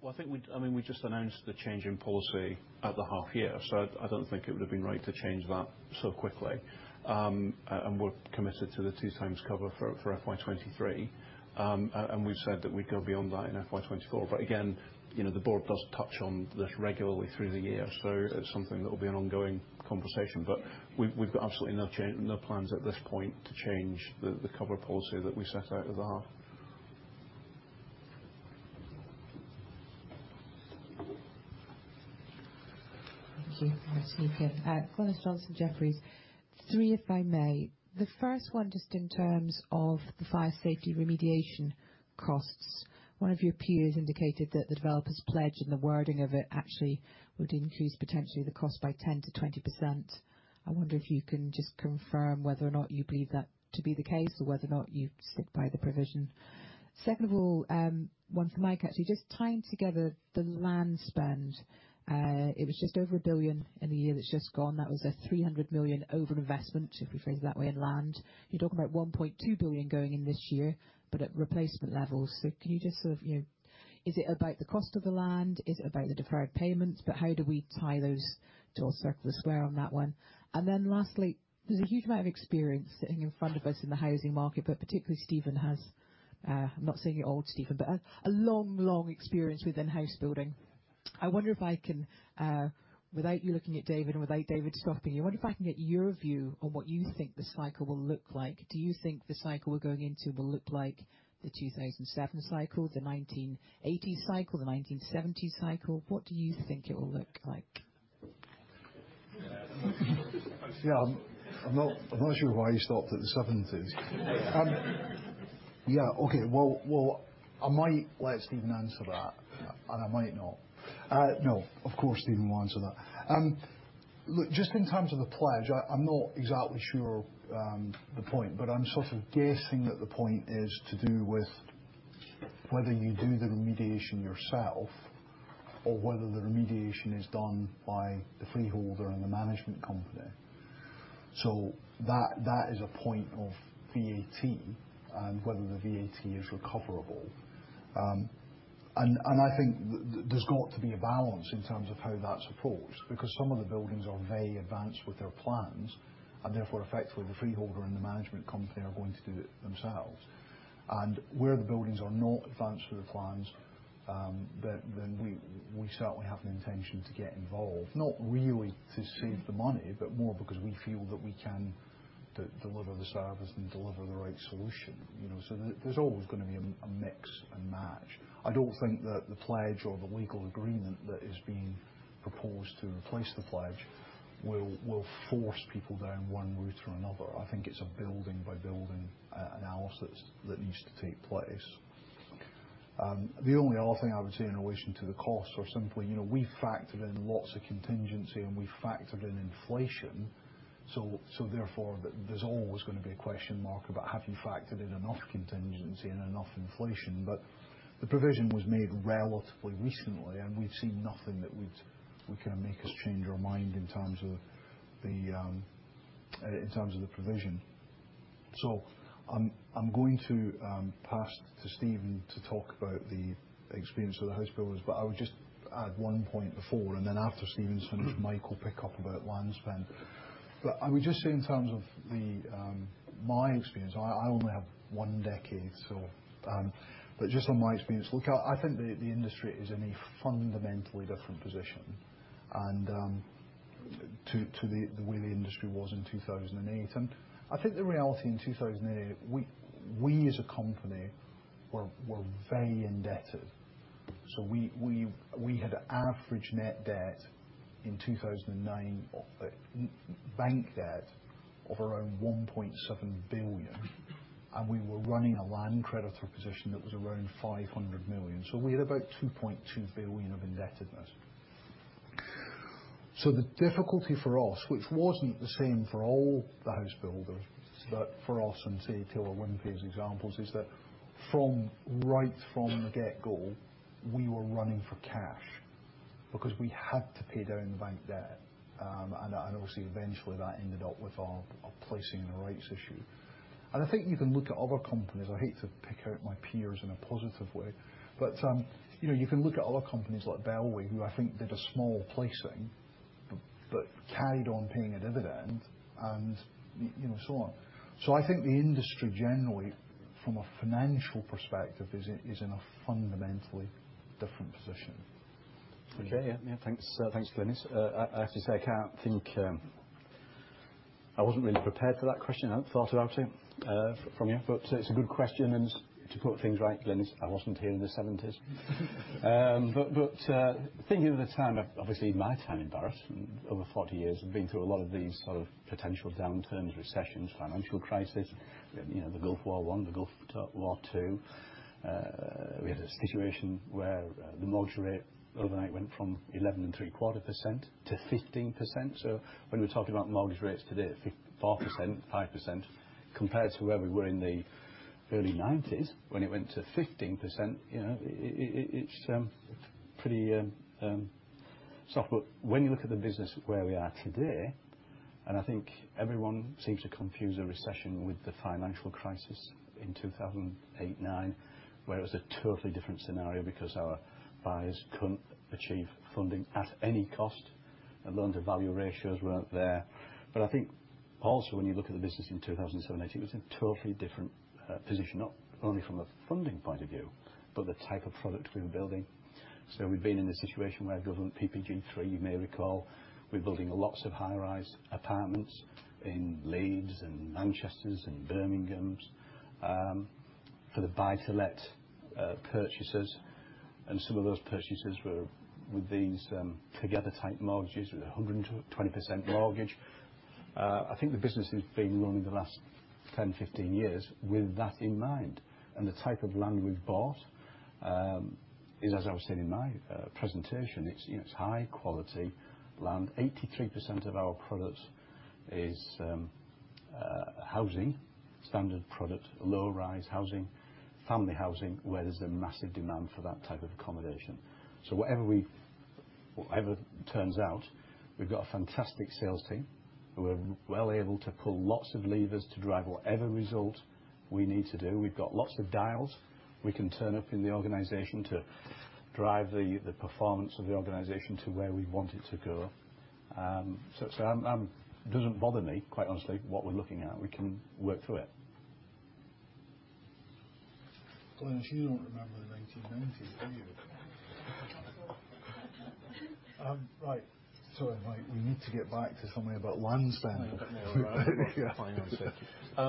Well, I think I mean, we just announced the change in policy at the half year, so I don't think it would've been right to change that so quickly. We're committed to the two times cover for FY 2023. We've said that we'd go beyond that in FY 2024. Again, you know, the board does touch on this regularly through the year, so it's something that will be an ongoing conversation. We've got absolutely no plans at this point to change the cover policy that we set out at the half. Thank you. It's me again. Glynis Johnson, Jefferies. Three, if I may. The first one, just in terms of the fire safety remediation costs. One of your peers indicated that the developers pledge and the wording of it actually would increase potentially the cost by 10%-20%. I wonder if you can just confirm whether or not you believe that to be the case or whether or not you stick by the provision. Second of all, one for Mike, actually. Just tying together the land spend, it was just over 1 billion in the year that's just gone. That was a 300 million over investment, if we phrase it that way, in land. You're talking about 1.2 billion going in this year, but at replacement levels. Can you just sort of, you know, is it about the cost of the land? Is it about the deferred payments? How do we tie those to or square the circle on that one? Then lastly, there's a huge amount of experience sitting in front of us in the housing market, but particularly Steven has, I'm not saying you're old, Steven, but a long experience within house building. I wonder if I can, without you looking at David and without David stopping you, I wonder if I can get your view on what you think the cycle will look like. Do you think the cycle we're going into will look like the 2007 cycle, the 1980 cycle, the 1970 cycle? What do you think it will look like? Yeah. I'm not sure why you stopped at the seventies. Yeah, okay. Well, I might let Steven answer that, and I might not. No, of course, Steven will answer that. Look, just in terms of the pledge, I'm not exactly sure the point, but I'm sort of guessing that the point is to do with whether you do the remediation yourself or whether the remediation is done by the freeholder and the management company. So that is a point of VAT and whether the VAT is recoverable. And I think there's got to be a balance in terms of how that's approached, because some of the buildings are very advanced with their plans, and therefore, effectively, the freeholder and the management company are going to do it themselves. Where the buildings are not advanced with the plans, then we certainly have an intention to get involved. Not really to save the money, but more because we feel that we can deliver the service and deliver the right solution, you know. There's always gonna be a mix and match. I don't think that the pledge or the legal agreement that is being proposed to replace the pledge will force people down one route or another. I think it's a building by building analysis that needs to take place. The only other thing I would say in relation to the costs are simply, you know, we factored in lots of contingency, and we factored in inflation. Therefore, there's always gonna be a question mark about have you factored in enough contingency and enough inflation? The provision was made relatively recently, and we've seen nothing that would kind of make us change our mind in terms of the provision. I'm going to pass to Steven to talk about the experience of the house builders, but I would just add one point before, and then after Steven's finished, Mike will pick up about land spend. I would just say in terms of my experience, I only have one decade, but just on my experience, look, I think the industry is in a fundamentally different position and to the way the industry was in 2008. I think the reality in 2008, we as a company were very indebted. We had average net debt in 2009 of non-bank debt of around 1.7 billion, and we were running a land creditor position that was around 500 million. We had about 2.2 billion of indebtedness. The difficulty for us, which wasn't the same for all the house builders, but for us and say Taylor Wimpey as examples, is that right from the get go, we were running for cash because we had to pay down bank debt. Obviously eventually that ended up with our placing a rights issue. I think you can look at other companies. I hate to pick out my peers in a positive way, but you know, you can look at other companies like Bellway, who I think did a small placing but carried on paying a dividend and, you know, so on. I think the industry generally from a financial perspective is in a fundamentally different position. Okay, yeah. Yeah, thanks. Thanks, Glynis. I have to say, I can't think. I wasn't really prepared for that question. I hadn't thought about it from you, but it's a good question. To put things right, Glynis, I wasn't here in the 1970s. But thinking of the time, obviously my time in Barratt, over 40 years, we've been through a lot of these sort of potential downturns, recessions, financial crisis. You know, the Gulf War I, the Gulf War II. We had a situation where the mortgage rate overnight went from 11.75% to 15%. When we're talking about mortgage rates today at 4%, 5%, compared to where we were in the early 1990s when it went to 15%, you know, it's pretty. When you look at the business where we are today, and I think everyone seems to confuse a recession with the financial crisis in 2008-2009, where it was a totally different scenario because our buyers couldn't achieve funding at any cost and loan-to-value ratios weren't there. I think also when you look at the business in 2017, it was in a totally different position, not only from a funding point of view, but the type of product we were building. We've been in a situation where government PPG 3, you may recall, we're building lots of high-rise apartments in Leeds and Manchester and Birmingham, for the buy-to-let purchasers. Some of those purchasers were with these together type mortgages with a 120% mortgage. I think the business has been run the last 10, 15 years with that in mind. The type of land we've bought is, as I was saying in my presentation, it's, you know, it's high quality land. 83% of our product is housing, standard product, low-rise housing, family housing, where there's a massive demand for that type of accommodation. Whatever turns out, we've got a fantastic sales team who are well able to pull lots of levers to drive whatever result we need to do. We've got lots of dials we can turn up in the organization to drive the performance of the organization to where we want it to go. It doesn't bother me, quite honestly, what we're looking at. We can work through it. Glynis, you don't remember the 1990s, do you? Right. Sorry, Mike, we need to get back to something about land spend. I know, but no, I'd rather talk financing. Yeah.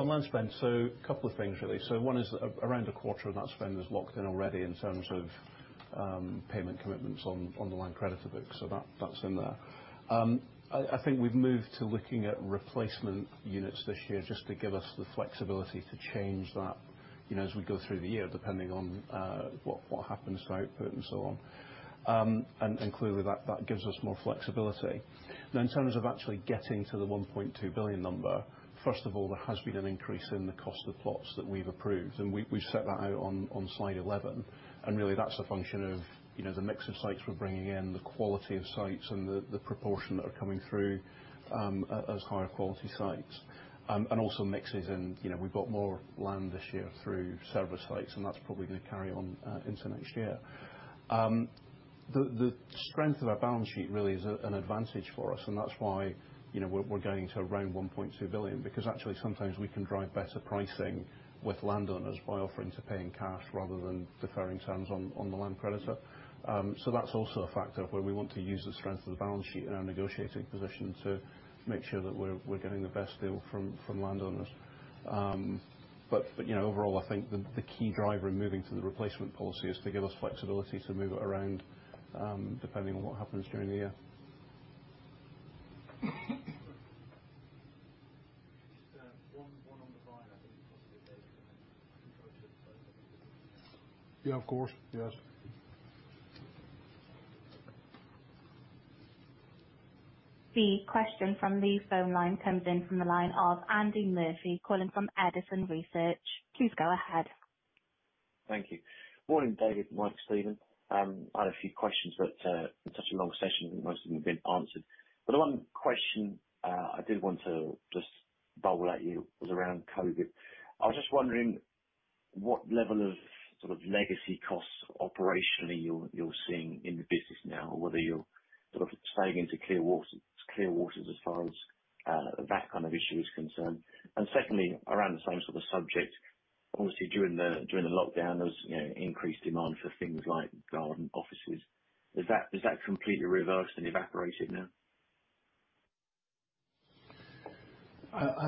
On land spend, a couple of things really. One is around a quarter of that spend is locked in already in terms of payment commitments on the land creditor books. That, that's in there. I think we've moved to looking at replacement units this year just to give us the flexibility to change that, you know, as we go through the year, depending on what happens to output and so on. Clearly, that gives us more flexibility. Now, in terms of actually getting to the 1.2 billion number, first of all, there has been an increase in the cost of plots that we've approved, and we've set that out on slide 11. Really, that's a function of, you know, the mix of sites we're bringing in, the quality of sites, and the proportion that are coming through as higher quality sites. Also mixes in, you know, we've got more land this year through server sites, and that's probably gonna carry on into next year. The strength of our balance sheet really is an advantage for us, and that's why, you know, we're getting to around 1.2 billion, because actually, sometimes we can drive better pricing with landowners by offering to pay in cash rather than deferring terms on the land credit. That's also a factor of where we want to use the strength of the balance sheet in our negotiating position to make sure that we're getting the best deal from landowners. You know, overall, I think the key driver in moving to the replenishment policy is to give us flexibility to move it around, depending on what happens during the year. Just one on the buyer, I think it was for David, and then I can go to the phone line. Yeah, of course. Yes. The question from the phone line comes in from the line of Andy Murphy, calling from Edison Investment Research. Please go ahead. Thank you. Morning, David and Mike, Steven. I had a few questions, but in such a long session, most of them have been answered. The one question I did want to just bowl at you was around Covid. I was just wondering what level of, sort of legacy costs operationally you're seeing in the business now, or whether you're sort of sailing into clear waters as far as that kind of issue is concerned. Secondly, around the same sort of subject, obviously, during the lockdown, there was, you know, increased demand for things like garden offices. Has that completely reversed and evaporated now?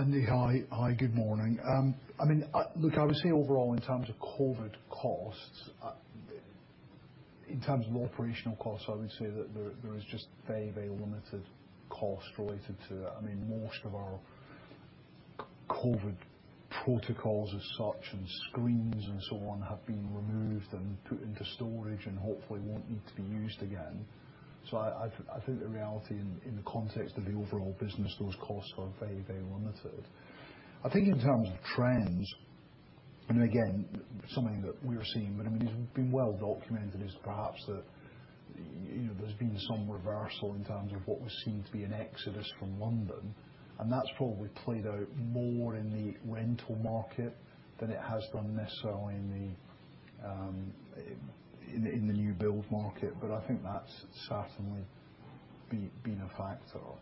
Andy, hi. Hi, good morning. I mean, look, I would say overall, in terms of COVID costs, in terms of operational costs, I would say that there is just very, very limited cost related to it. I mean, most of our COVID protocols as such, and screens and so on, have been removed and put into storage and hopefully won't need to be used again. I think the reality in the context of the overall business, those costs are very, very limited. I think in terms of trends, and again, something that we're seeing, but I mean, it's been well documented, is perhaps that, you know, there's been some reversal in terms of what was seen to be an exodus from London, and that's probably played out more in the rental market than it has done necessarily in the new build market. I think that's certainly been a factor. Okay,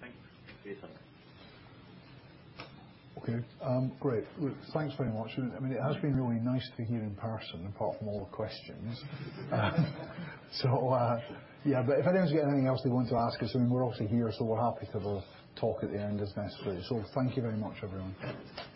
thanks. See you, sir. Okay. Great. Look, thanks very much. I mean, it has been really nice to be here in person, apart from all the questions. Yeah, but if anyone's got anything else they want to ask us, I mean, we're obviously here, so we're happy to talk at the end as necessary. Thank you very much, everyone. Thank you.